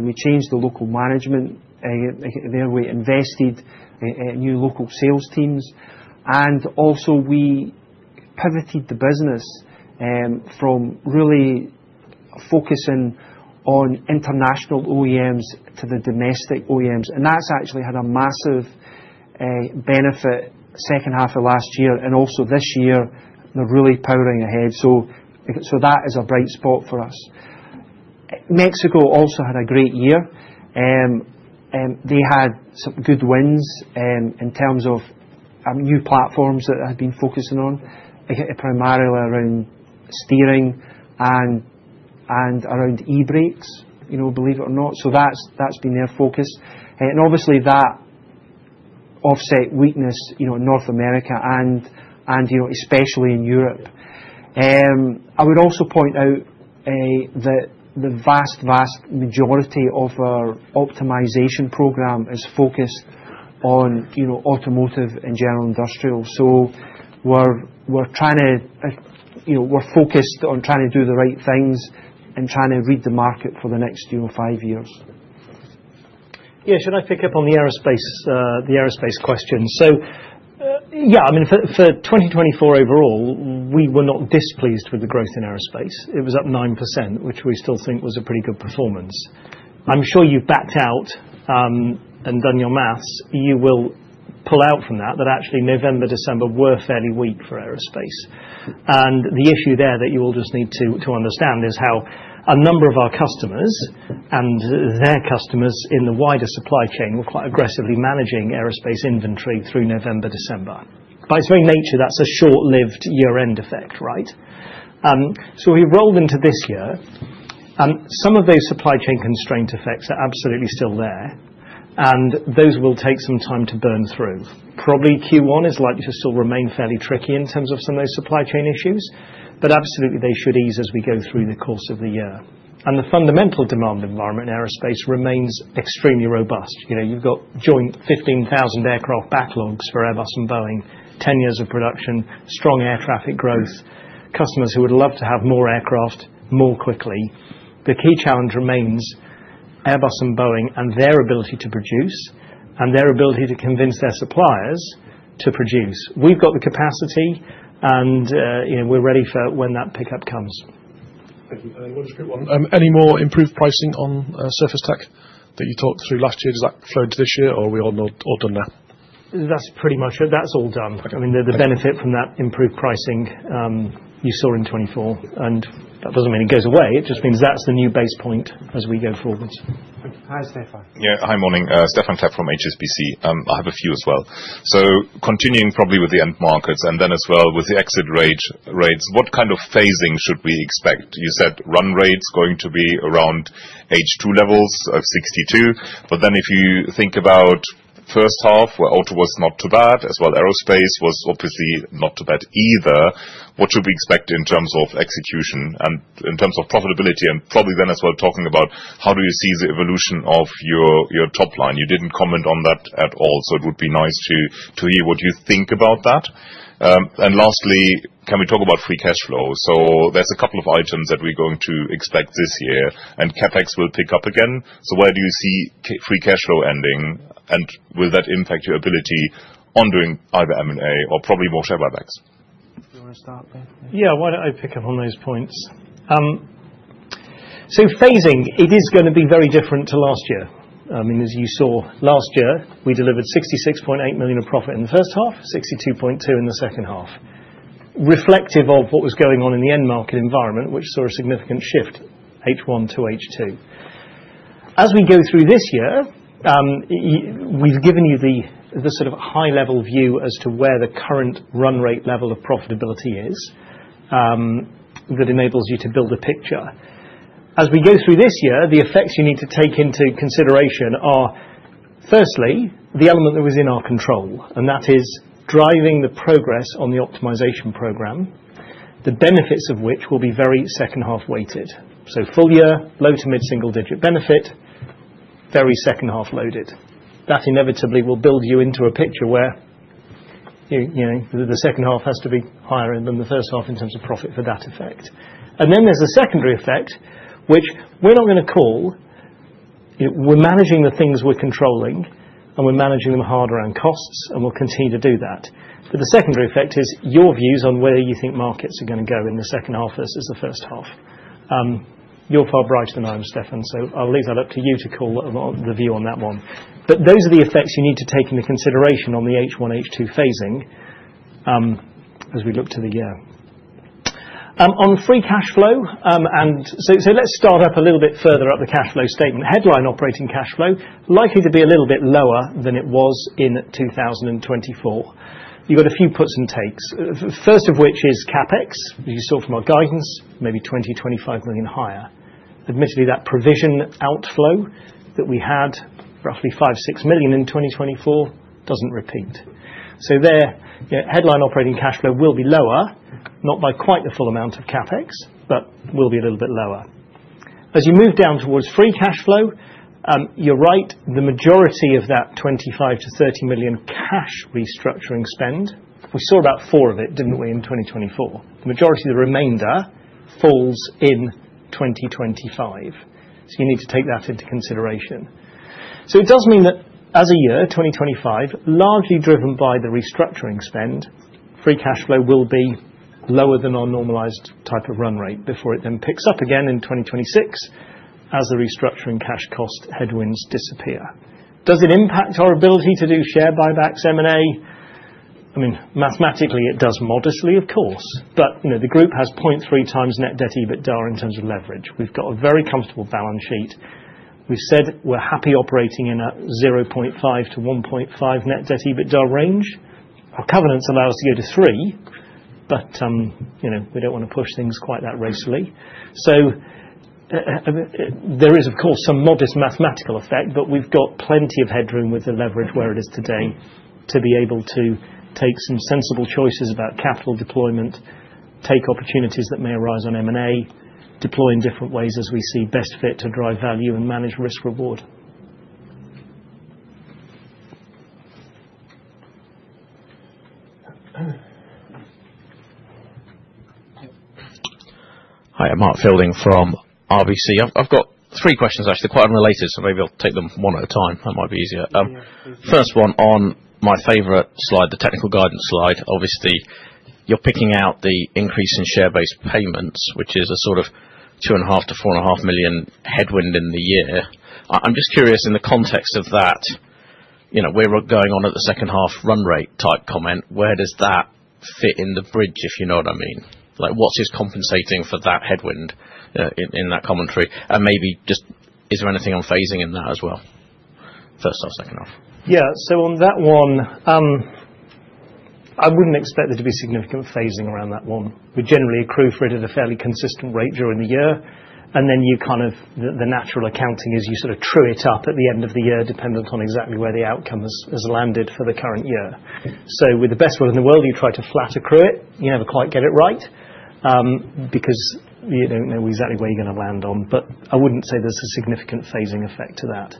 We changed the local management. There we invested new local sales teams. Also, we pivoted the business from really focusing on international OEMs to the domestic OEMs. That's actually had a massive benefit second half of last year. Also this year, they're really powering ahead. That is a bright spot for us. Mexico also had a great year. They had some good wins in terms of new platforms that they had been focusing on, primarily around steering and around e-brakes, believe it or not. That has been their focus. Obviously, that offset weakness in North America and especially in Europe. I would also point out that the vast, vast majority of our optimization program is focused on automotive and general industrial. We are trying to—we are focused on trying to do the right things and trying to read the market for the next five years. Yeah, should I pick up on the aerospace question? Yeah, I mean, for 2024 overall, we were not displeased with the growth in aerospace. It was up 9%, which we still think was a pretty good performance. I am sure you have backed out and done your maths. You will pull out from that that actually November, December were fairly weak for aerospace. The issue there that you all just need to understand is how a number of our customers and their customers in the wider supply chain were quite aggressively managing aerospace inventory through November, December. By its very nature, that's a short-lived year-end effect, right? We rolled into this year, and some of those supply chain constraint effects are absolutely still there, and those will take some time to burn through. Probably Q1 is likely to still remain fairly tricky in terms of some of those supply chain issues, but absolutely they should ease as we go through the course of the year. The fundamental demand environment in aerospace remains extremely robust. You've got joint 15,000 aircraft backlogs for Airbus and Boeing, 10 years of production, strong air traffic growth, customers who would love to have more aircraft more quickly. The key challenge remains Airbus and Boeing and their ability to produce and their ability to convince their suppliers to produce. We've got the capacity, and we're ready for when that pickup comes. Thank you. One just quick one. Any more improved pricing on surface tech that you talked through last year? Does that flow into this year, or are we all done now? That's pretty much it. That's all done. I mean, the benefit from that improved pricing you saw in 2024. And that doesn't mean it goes away. It just means that's the new base point as we go forward. Hi, Stephan. Yeah, hi morning. Stephan Klepp from HSBC. I have a few as well. Continuing probably with the end markets and then as well with the exit rates, what kind of phasing should we expect? You said run rates going to be around H2 levels of 62. But then if you think about first half, where auto was not too bad, as well aerospace was obviously not too bad either, what should we expect in terms of execution and in terms of profitability? Probably then as well talking about how do you see the evolution of your top line? You did not comment on that at all, so it would be nice to hear what you think about that. Lastly, can we talk about free cash flow? There is a couple of items that we are going to expect this year, and CapEx will pick up again. Where do you see free cash flow ending, and will that impact your ability on doing either M&A or probably more share buybacks? Do you want to start there? Yeah, why don't I pick up on those points? Phasing, it is going to be very different to last year. I mean, as you saw last year we delivered 66.8 million of profit in the first half, 62.2 million in the second half, reflective of what was going on in the end market environment, which saw a significant shift, H1 to H2. As we go through this year, we've given you the sort of high-level view as to where the current run rate level of profitability is that enables you to build a picture. As we go through this year, the effects you need to take into consideration are, firstly, the element that was in our control, and that is driving the progress on the optimization program, the benefits of which will be very second half weighted. Full year, low to mid-single digit benefit, very second half loaded. That inevitably will build you into a picture where the second half has to be higher than the first half in terms of profit for that effect. There is a secondary effect, which we're not going to call. We're managing the things we're controlling, and we're managing them hard around costs, and we'll continue to do that. The secondary effect is your views on where you think markets are going to go in the second half versus the first half. You're far brighter than I am, Stephan, so I'll leave that up to you to call the view on that one. Those are the effects you need to take into consideration on the H1, H2 phasing as we look to the year. On free cash flow, let's start up a little bit further up the cash flow statement. Headline operating cash flow likely to be a little bit lower than it was in 2024. You've got a few puts and takes, first of which is CapEx, as you saw from our guidance, maybe 20 million-25 million higher. Admittedly, that provision outflow that we had, roughly 5 million-6 million in 2024, doesn't repeat. Headline operating cash flow will be lower, not by quite the full amount of CapEx, but will be a little bit lower. As you move down towards free cash flow, you're right, the majority of that 25-30 million cash restructuring spend, we saw about 4 million of it, didn't we, in 2024. The majority of the remainder falls in 2025. You need to take that into consideration. It does mean that as a year, 2025, largely driven by the restructuring spend, free cash flow will be lower than our normalized type of run rate before it then picks up again in 2026 as the restructuring cash cost headwinds disappear. Does it impact our ability to do share buybacks, M&A? I mean, mathematically, it does modestly, of course. The group has 0.3x net debt EBITDA in terms of leverage. We've got a very comfortable balance sheet. We've said we're happy operating in a 0.5-1.5 net debt EBITDA range. Our covenants allow us to go to three, but we do not want to push things quite that racely. There is, of course, some modest mathematical effect, but we have plenty of headroom with the leverage where it is today to be able to take some sensible choices about capital deployment, take opportunities that may arise on M&A, deploy in different ways as we see best fit to drive value and manage risk-reward. Hi, I am Mark Fielding from RBC. I have three questions, actually. They are quite unrelated, so maybe I will take them one at a time. That might be easier. First one on my favorite slide, the technical guidance slide. Obviously, you are picking out the increase in share-based payments, which is a sort of 2.5 million-4.5 million headwind in the year. I'm just curious, in the context of that, we're going on at the second half run rate type comment. Where does that fit in the bridge, if you know what I mean? What's his compensating for that headwind in that commentary? Maybe just, is there anything on phasing in that as well, first half, second half? Yeah, on that one, I wouldn't expect there to be significant phasing around that one. We generally accrue for it at a fairly consistent rate during the year. You kind of, the natural accounting is you sort of true it up at the end of the year, dependent on exactly where the outcome has landed for the current year. With the best will in the world, you try to flat accrue it. You never quite get it right because you don't know exactly where you're going to land on. I wouldn't say there's a significant phasing effect to that.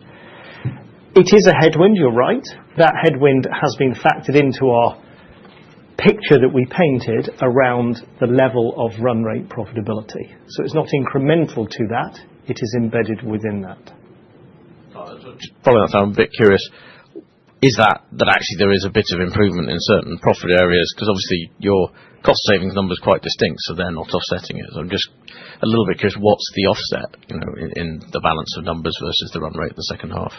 It is a headwind, you're right. That headwind has been factored into our picture that we painted around the level of run rate profitability. It's not incremental to that. It is embedded within that. Following that, I'm a bit curious. Is it that actually there is a bit of improvement in certain profit areas? Because obviously, your cost savings number is quite distinct, so they're not offsetting it. I'm just a little bit curious, what's the offset in the balance of numbers versus the run rate in the second half?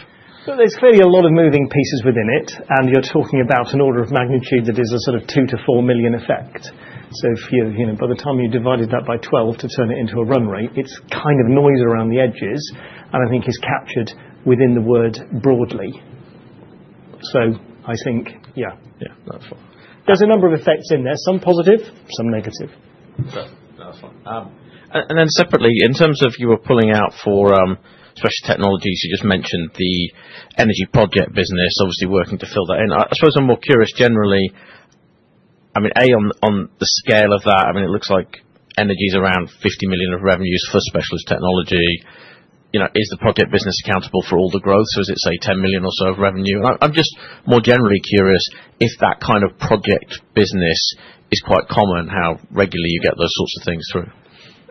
There's clearly a lot of moving pieces within it, and you're talking about an order of magnitude that is a sort of $2 million-$4 million effect. By the time you divided that by 12 to turn it into a run rate, it's kind of noise around the edges, and I think is captured within the word broadly. I think, yeah. Yeah, that's fine. There's a number of effects in there, some positive, some negative. That's fine. Then separately, in terms of you were pulling out for specialist technologies, you just mentioned the energy project business, obviously working to fill that in. I suppose I'm more curious generally, I mean, A, on the scale of that, I mean, it looks like energy is around 50 million of revenues for specialist technologies. Is the project business accountable for all the growth? Is it, say, 10 million or so of revenue? I'm just more generally curious if that kind of project business is quite common, how regularly you get those sorts of things through.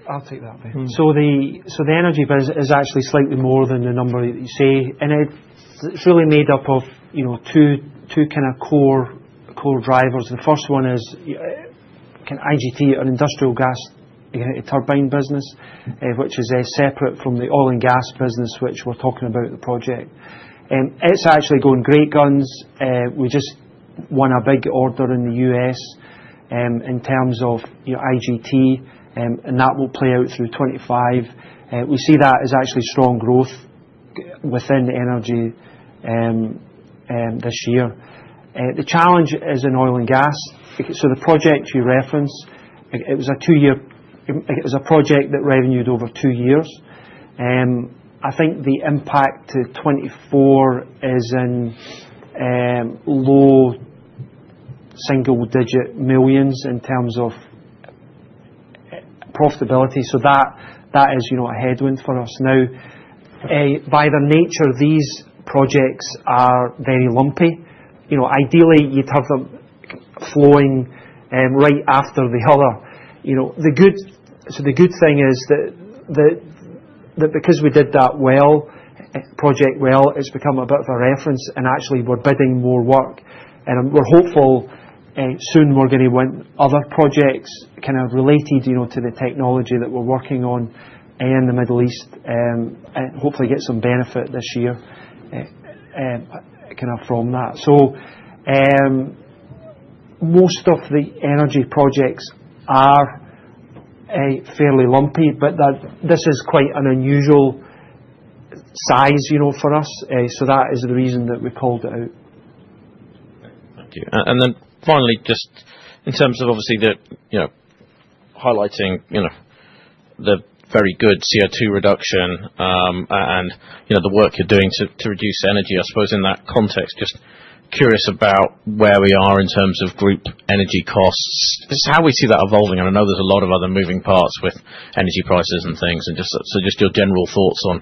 I'll take that. The energy business is actually slightly more than the number that you say. It's really made up of two kind of core drivers. The first one is IGT, an industrial gas turbine business, which is separate from the oil and gas business, which we're talking about the project. It's actually going great guns. We just won a big order in the US in terms of IGT, and that will play out through 2025. We see that as actually strong growth within the energy this year. The challenge is in oil and gas. The project you referenced, it was a two-year project that revenued over two years. I think the impact to 2024 is in low single-digit millions in terms of profitability. That is a headwind for us now. By their nature, these projects are very lumpy. Ideally, you'd have them flowing right after the other. The good thing is that because we did that project well, it's become a bit of a reference, and actually we're bidding more work. We're hopeful soon we're going to win other projects kind of related to the technology that we're working on in the Middle East and hopefully get some benefit this year from that. Most of the energy projects are fairly lumpy, but this is quite an unusual size for us. That is the reason that we pulled it out. Thank you. Finally, just in terms of obviously highlighting the very good CO2 reduction and the work you're doing to reduce energy, I suppose in that context, just curious about where we are in terms of group energy costs. Just how we see that evolving. I know there's a lot of other moving parts with energy prices and things. Just your general thoughts on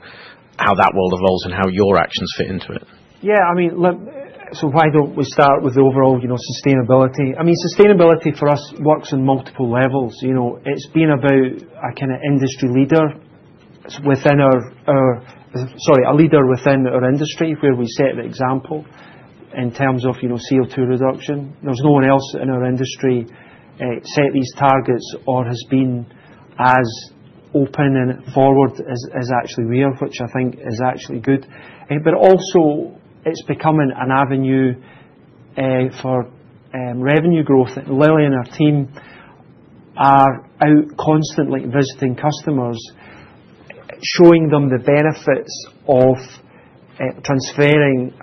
how that world evolves and how your actions fit into it. Yeah, I mean, why don't we start with the overall sustainability? I mean, sustainability for us works on multiple levels. It's been about a kind of industry leader within our—sorry, a leader within our industry where we set the example in terms of CO2 reduction. There's no one else in our industry set these targets or has been as open and forward as actually we are, which I think is actually good. Also, it's becoming an avenue for revenue growth. Lily and her team are out constantly visiting customers, showing them the benefits of transferring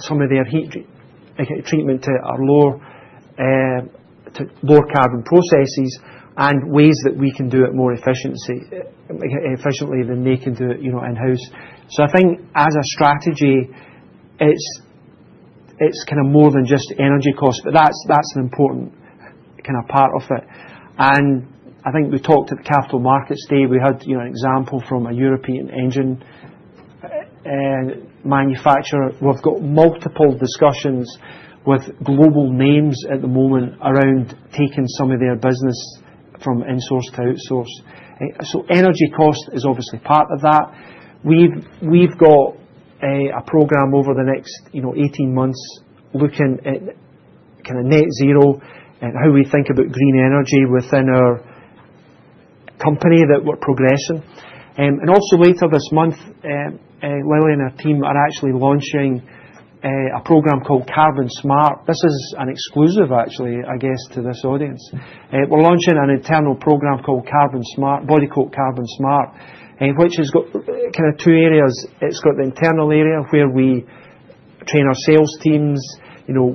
some of their heat treatment to lower carbon processes and ways that we can do it more efficiently than they can do it in-house. I think as a strategy, it's kind of more than just energy costs, but that's an important kind of part of it. I think we talked to the capital markets day. We had an example from a European engine manufacturer. We've got multiple discussions with global names at the moment around taking some of their business from insource to outsource. Energy cost is obviously part of that. We've got a program over the next 18 months looking at kind of net zero and how we think about green energy within our company that we're progressing. Also, later this month, Lily and her team are actually launching a program called Carbon Smart. This is an exclusive, actually, I guess, to this audience. We're launching an internal program called Carbon Smart, Bodycote Carbon Smart, which has got kind of two areas. It's got the internal area where we train our sales teams, how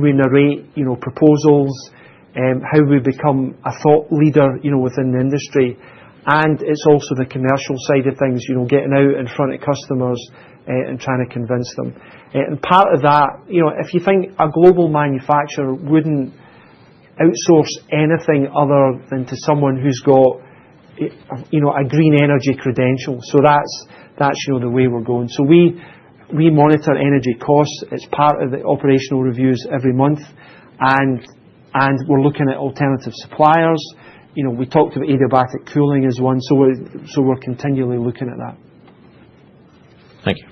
we narrate proposals, how we become a thought leader within the industry. It's also the commercial side of things, getting out in front of customers and trying to convince them. Part of that, if you think a global manufacturer wouldn't outsource anything other than to someone who's got a green energy credential. That's the way we're going. We monitor energy costs. It's part of the operational reviews every month. We're looking at alternative suppliers. We talked about adiabatic cooling as one. We're continually looking at that. Thank you.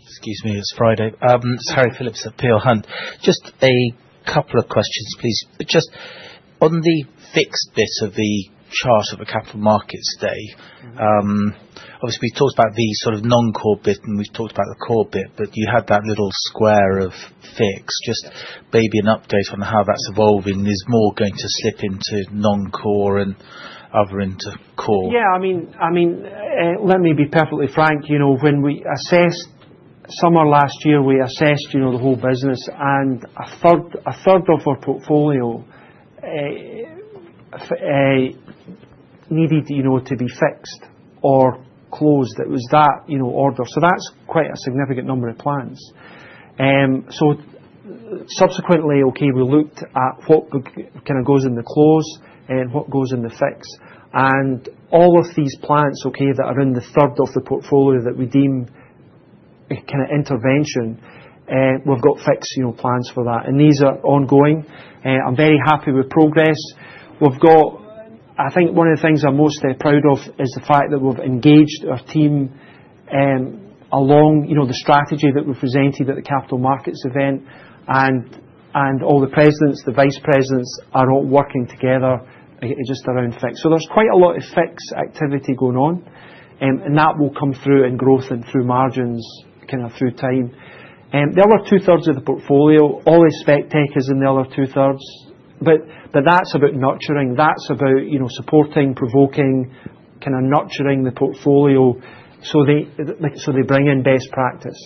Excuse me, it's Friday. It's Harry Philips at Peel Hunt. Just a couple of questions, please. Just on the fixed bit of the chart of the capital markets day, obviously, we talked about the sort of non-core bit, and we've talked about the core bit, but you had that little square of fix. Just maybe an update on how that's evolving. Is more going to slip into non-core and other into core? Yeah, I mean, let me be perfectly frank. When we assessed summer last year, we assessed the whole business, and a third of our portfolio needed to be fixed or closed. It was that order. So that's quite a significant number of plants. So subsequently, okay, we looked at what kind of goes in the close and what goes in the fix. All of these plants that are in the third of the portfolio that we deem kind of intervention, we've got fixed plans for that. These are ongoing. I'm very happy with progress. I think one of the things I'm most proud of is the fact that we've engaged our team along the strategy that we presented at the capital markets event. All the presidents, the vice presidents are all working together just around fix. There is quite a lot of fix activity going on, and that will come through in growth and through margins, kind of through time. The other two-thirds of the portfolio, all the spec tech is in the other two-thirds. That is about nurturing. That is about supporting, provoking, kind of nurturing the portfolio so they bring in best practice.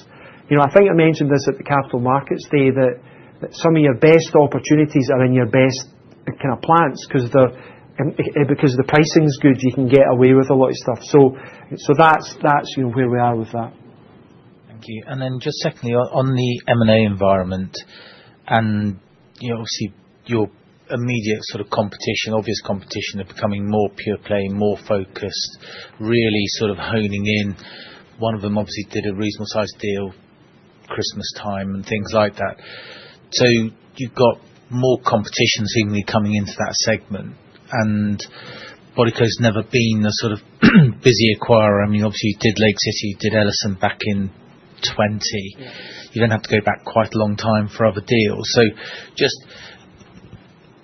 I think I mentioned this at the Capital Markets Day that some of your best opportunities are in your best kind of plants because the pricing is good. You can get away with a lot of stuff. That is where we are with that. Thank you. Just secondly, on the M&A environment and obviously your immediate sort of competition, obvious competition of becoming more pure play, more focused, really sort of honing in. One of them obviously did a reasonable sized deal Christmas time and things like that. You have got more competition seemingly coming into that segment. Bodycote has never been a sort of busy acquirer. I mean, you did City, you did Ellison back in 2020. You do not have to go back quite a long time for other deals. Just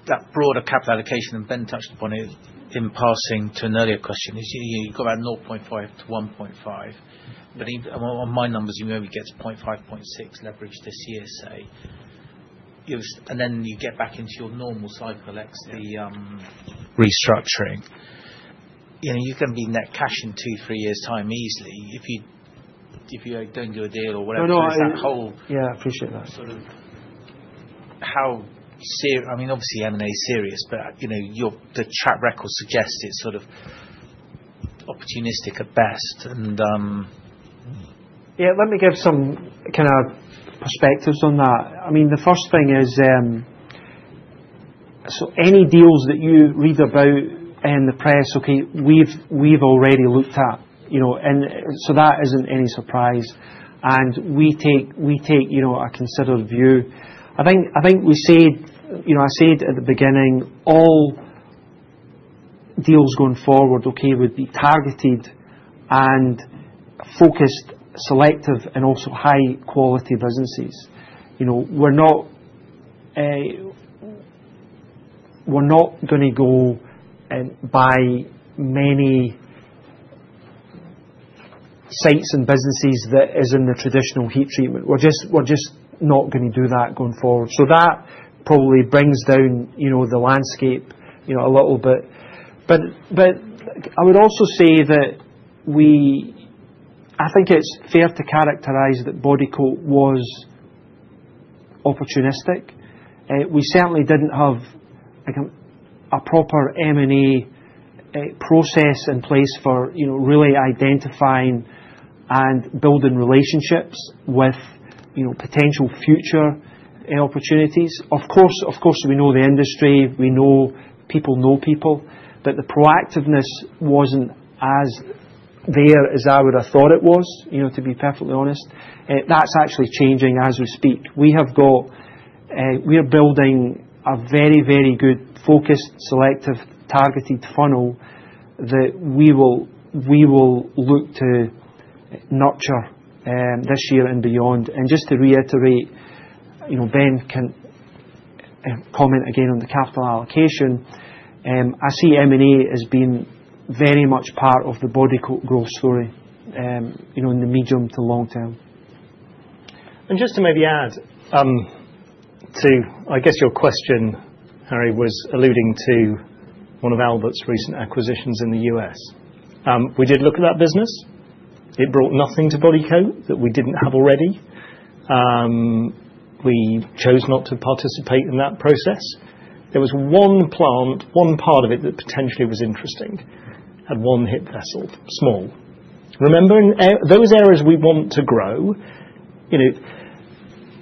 that broader capital allocation, and Ben touched upon it in passing to an earlier question, is you've got about 0.5-1.5. On my numbers, you maybe get to 0.5, 0.6 leverage this year, say. Then you get back into your normal cycle, ex the restructuring. You can be net cash in two, three years' time easily if you do not do a deal or whatever. Yeah, I appreciate that. Sort of how serious, I mean, obviously, M&A is serious, but the track record suggests it is sort of opportunistic at best. Yeah, let me give some kind of perspectives on that. The first thing is any deals that you read about in the press, okay, we have already looked at. That is not any surprise. We take a considered view. I think we said, I said at the beginning, all deals going forward, okay, would be targeted and focused, selective, and also high-quality businesses. We're not going to go and buy many sites and businesses that are in the traditional heat treatment. We're just not going to do that going forward. That probably brings down the landscape a little bit. I would also say that I think it's fair to characterize that Bodycote was opportunistic. We certainly didn't have a proper M&A process in place for really identifying and building relationships with potential future opportunities. Of course, we know the industry. We know people know people. The proactiveness wasn't as there as I would have thought it was, to be perfectly honest. That's actually changing as we speak. We are building a very, very good, focused, selective, targeted funnel that we will look to nurture this year and beyond. Just to reiterate, Ben can comment again on the capital allocation. I see M&A as being very much part of the Bodycote growth story in the medium to long term. Just to maybe add to, I guess, your question, Harry, was alluding to one of Aalberts' recent acquisitions in the U.S. We did look at that business. It brought nothing to Bodycote that we did not have already. We chose not to participate in that process. There was one plant, one part of it that potentially was interesting, had one HIP vessel, small. Remember, those areas we want to grow.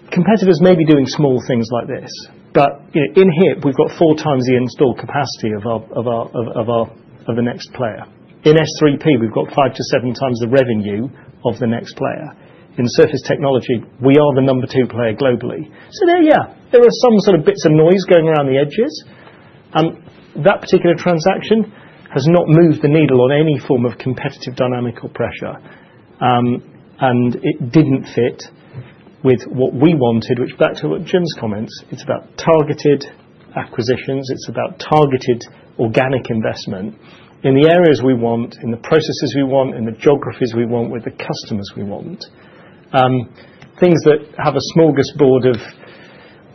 Competitors may be doing small things like this, but in HIP, we have four times the installed capacity of the next player. In S3P, we've got five to seven times the revenue of the next player. In surface technology, we are the number two player globally. There are some sort of bits of noise going around the edges. That particular transaction has not moved the needle on any form of competitive dynamic or pressure. It didn't fit with what we wanted, which goes back to Jim's comments. It's about targeted acquisitions. It's about targeted organic investment in the areas we want, in the processes we want, in the geographies we want, with the customers we want. Things that have a smorgasbord of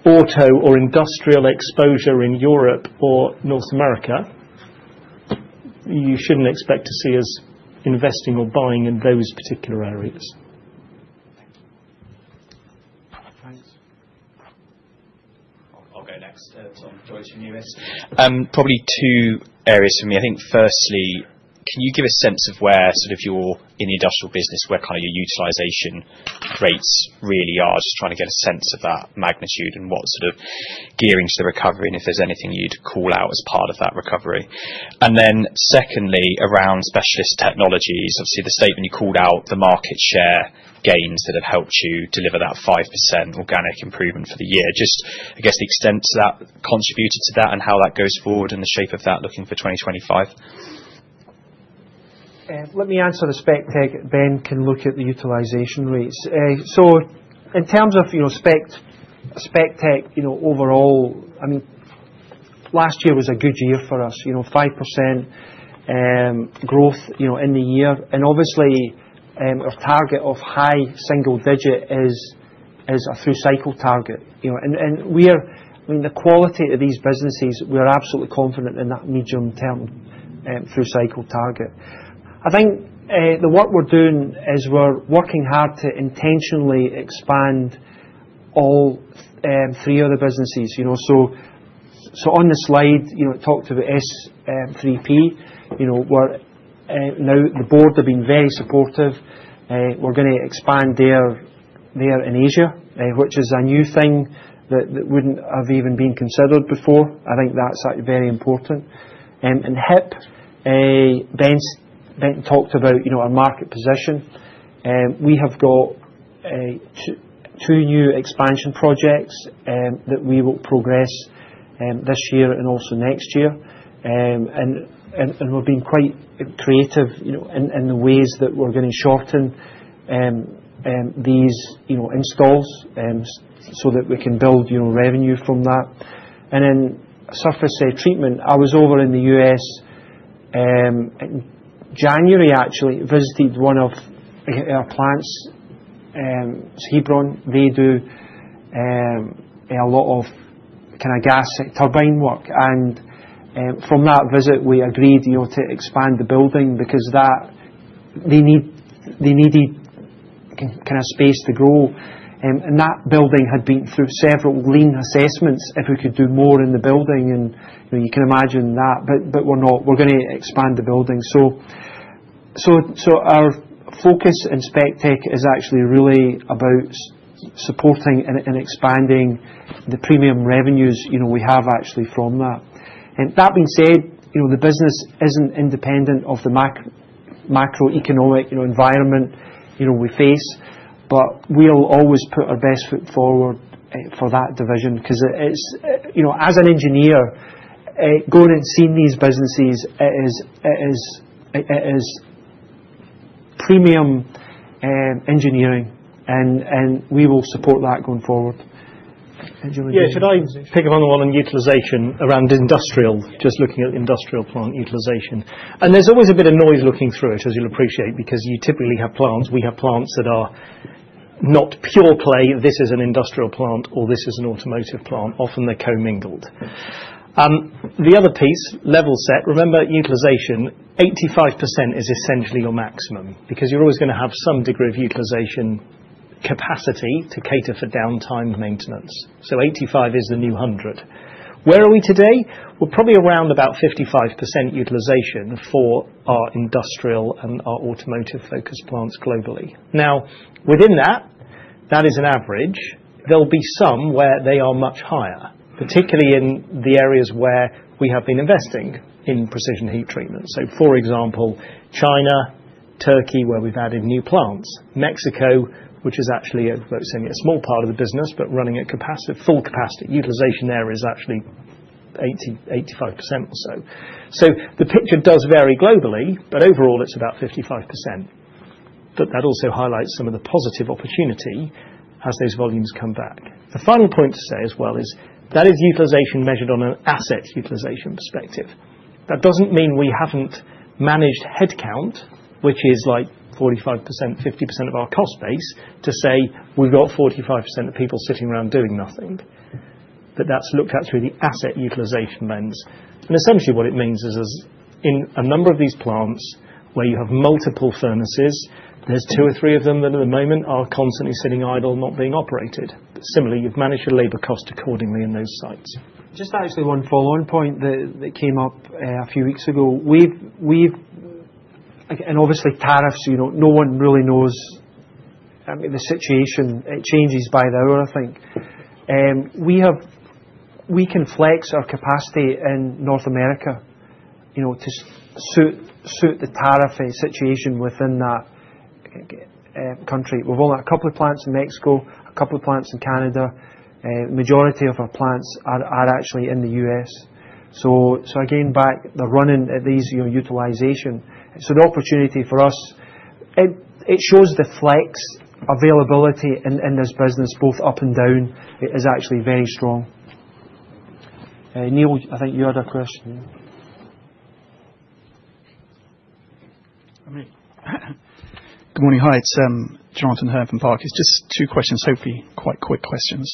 auto or industrial exposure in Europe or North America, you shouldn't expect to see us investing or buying in those particular areas. Thanks. I'll go next. It's on Joyce and Lewis. Probably two areas for me. I think firstly, can you give a sense of where sort of you're in the industrial business, where kind of your utilization rates really are? Just trying to get a sense of that magnitude and what sort of gearing to the recovery and if there's anything you'd call out as part of that recovery. Secondly, around specialist technologies, obviously the statement you called out, the market share gains that have helped you deliver that 5% organic improvement for the year. Just, I guess, the extent to that contributed to that and how that goes forward and the shape of that looking for 2025. Let me answer the spec tech. Ben can look at the utilization rates. In terms of spec tech overall, I mean, last year was a good year for us, 5% growth in the year. Obviously, our target of high single digit is a through cycle target. I mean, the quality of these businesses, we're absolutely confident in that medium-term through cycle target. I think the work we're doing is we're working hard to intentionally expand all three other businesses. On the slide, talk to S3P, where now the board have been very supportive. We're going to expand there in Asia, which is a new thing that wouldn't have even been considered before. I think that's very important. And HIP, Ben talked about our market position. We have got two new expansion projects that we will progress this year and also next year. We've been quite creative in the ways that we're going to shorten these installs so that we can build revenue from that. Then surface treatment, I was over in the U.S. in January, actually, visited one of our plants, Hebron. They do a lot of kind of gas turbine work. From that visit, we agreed to expand the building because they needed kind of space to grow. That building had been through several lean assessments if we could do more in the building. You can imagine that. We are going to expand the building. Our focus in spec tech is actually really about supporting and expanding the premium revenues we have actually from that. That being said, the business isn't independent of the macroeconomic environment we face. We will always put our best foot forward for that division because as an engineer, going and seeing these businesses, it is premium engineering. We will support that going forward. Yeah, should I pick up on the one on utilization around industrial, just looking at industrial plant utilization? There's always a bit of noise looking through it, as you'll appreciate, because you typically have plants. We have plants that are not purely, this is an industrial plant, or this is an automotive plant. Often they're co-mingled. The other piece, level set, remember utilization, 85% is essentially your maximum because you're always going to have some degree of utilization capacity to cater for downtime maintenance. So 85% is the new 100%. Where are we today? We're probably around about 55% utilization for our industrial and our automotive focus plants globally. Now, within that, that is an average. There'll be some where they are much higher, particularly in the areas where we have been investing in precision heat treatment. For example, China, Turkey, where we've added new plants. Mexico, which is actually a small part of the business, but running at full capacity. Utilization there is actually 85% or so. The picture does vary globally, but overall, it's about 55%. That also highlights some of the positive opportunity as those volumes come back. The final point to say as well is that is utilization measured on an asset utilization perspective. That doesn't mean we haven't managed headcount, which is like 45%-50% of our cost base, to say we've got 45% of people sitting around doing nothing. That's looked at through the asset utilization lens. Essentially, what it means is in a number of these plants where you have multiple furnaces, there are two or three of them that at the moment are constantly sitting idle, not being operated. Similarly, you've managed your labor cost accordingly in those sites. Just actually one follow-on point that came up a few weeks ago. Obviously, tariffs, no one really knows the situation. It changes by the hour, I think. We can flex our capacity in North America to suit the tariff situation within that country. We've only got a couple of plants in Mexico, a couple of plants in Canada. The majority of our plants are actually in the U.S. Again, back, the running at these utilization. The opportunity for us, it shows the flex availability in this business, both up and down, is actually very strong. Neil, I think you had a question. Good morning. Hi, it's Jonathan Hearn from Parker. It's just two questions, hopefully quite quick questions.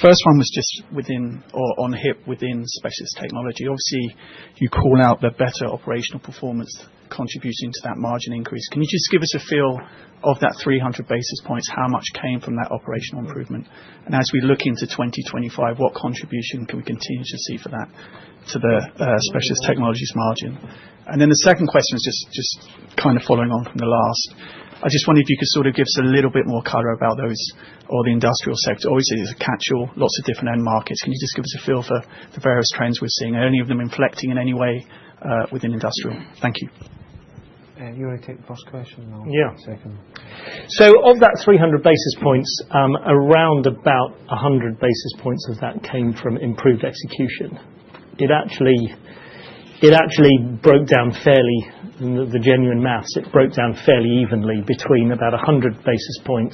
First one was just on HIP within specialist technology. Obviously, you call out the better operational performance contributing to that margin increase. Can you just give us a feel of that 300 basis points, how much came from that operational improvement? As we look into 2025, what contribution can we continue to see for that to the specialist technologies margin? The second question is just kind of following on from the last. I just wonder if you could sort of give us a little bit more color about those or the industrial sector. Obviously, there's a catch-all, lots of different end markets. Can you just give us a feel for the various trends we're seeing? Are any of them inflecting in any way within industrial? Thank you. You want to take the first question or second? Yeah. Of that 300 basis points, around about 100 basis points of that came from improved execution. It actually broke down fairly. The genuine maths, it broke down fairly evenly between about 100 basis points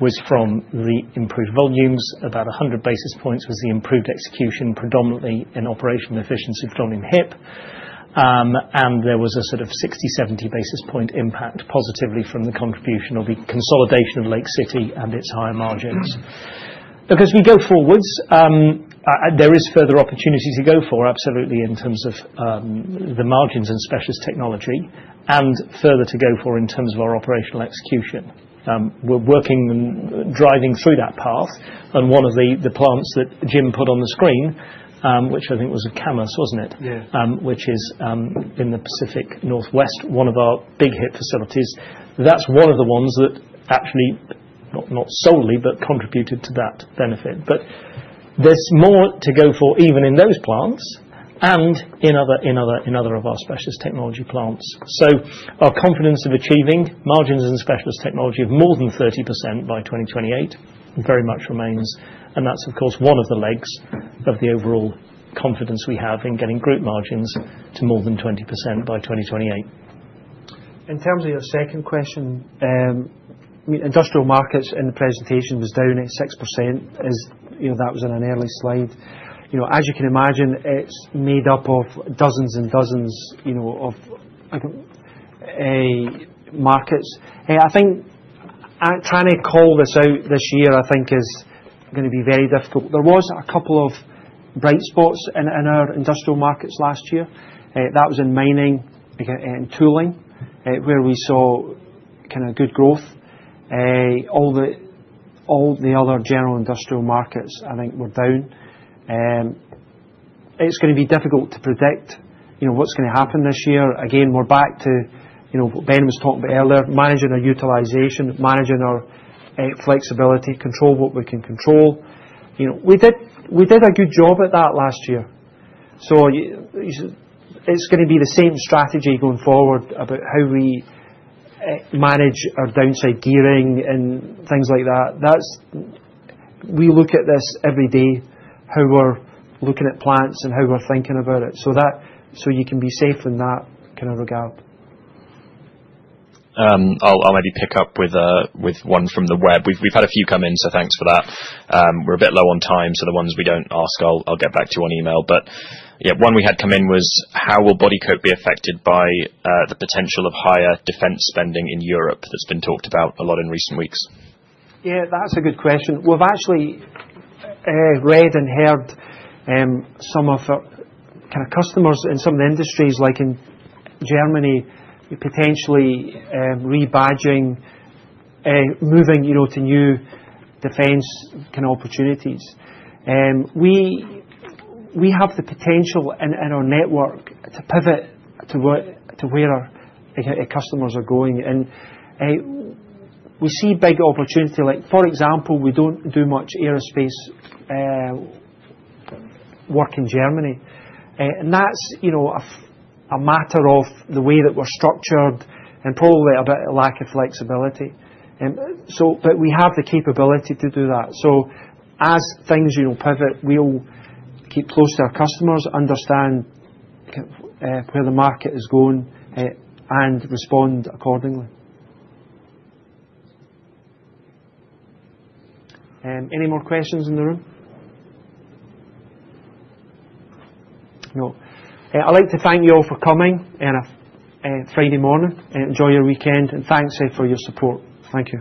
was from the improved volumes, about 100 basis points was the improved execution, predominantly in operational efficiency from in HIP. There was a sort of 60 basis points-70 basis point impact positively from the contribution of the consolidation of Lake City and its higher margins. Because we go forwards, there is further opportunity to go for, absolutely, in terms of the margins and specialist technology and further to go for in terms of our operational execution. We are working and driving through that path. One of the plants that Jim put on the screen, which I think was Camas, was not it? Yeah. Which is in the Pacific Northwest, one of our big HIP facilities. That is one of the ones that actually, not solely, but contributed to that benefit. There is more to go for even in those plants and in other of our specialist technology plants. Our confidence of achieving margins in specialist technology of more than 30% by 2028 very much remains. That is, of course, one of the legs of the overall confidence we have in getting group margins to more than 20% by 2028. In terms of your second question, industrial markets in the presentation was down at 6%. That was in an early slide. As you can imagine, it is made up of dozens and dozens of markets. I think trying to call this out this year, I think, is going to be very difficult. There was a couple of bright spots in our industrial markets last year. That was in mining and tooling, where we saw kind of good growth. All the other general industrial markets, I think, were down. It's going to be difficult to predict what's going to happen this year. Again, we're back to what Ben was talking about earlier, managing our utilization, managing our flexibility, control what we can control. We did a good job at that last year. It's going to be the same strategy going forward about how we manage our downside gearing and things like that. We look at this every day, how we're looking at plants and how we're thinking about it. You can be safe in that kind of regard. I'll maybe pick up with one from the web. We've had a few come in, so thanks for that. We're a bit low on time, so the ones we don't ask, I'll get back to you on email. Yeah, one we had come in was, how will Bodycote be affected by the potential of higher defense spending in Europe that's been talked about a lot in recent weeks? Yeah, that's a good question. We've actually read and heard some of the kind of customers in some of the industries, like in Germany, potentially rebadging, moving to new defense kind of opportunities. We have the potential in our network to pivot to where our customers are going. We see big opportunity. For example, we don't do much aerospace work in Germany. That's a matter of the way that we're structured and probably a bit of lack of flexibility. We have the capability to do that. As things pivot, we'll keep close to our customers, understand where the market is going, and respond accordingly. Any more questions in the room? No. I'd like to thank you all for coming on a Friday morning. Enjoy your weekend. Thanks for your support. Thank you.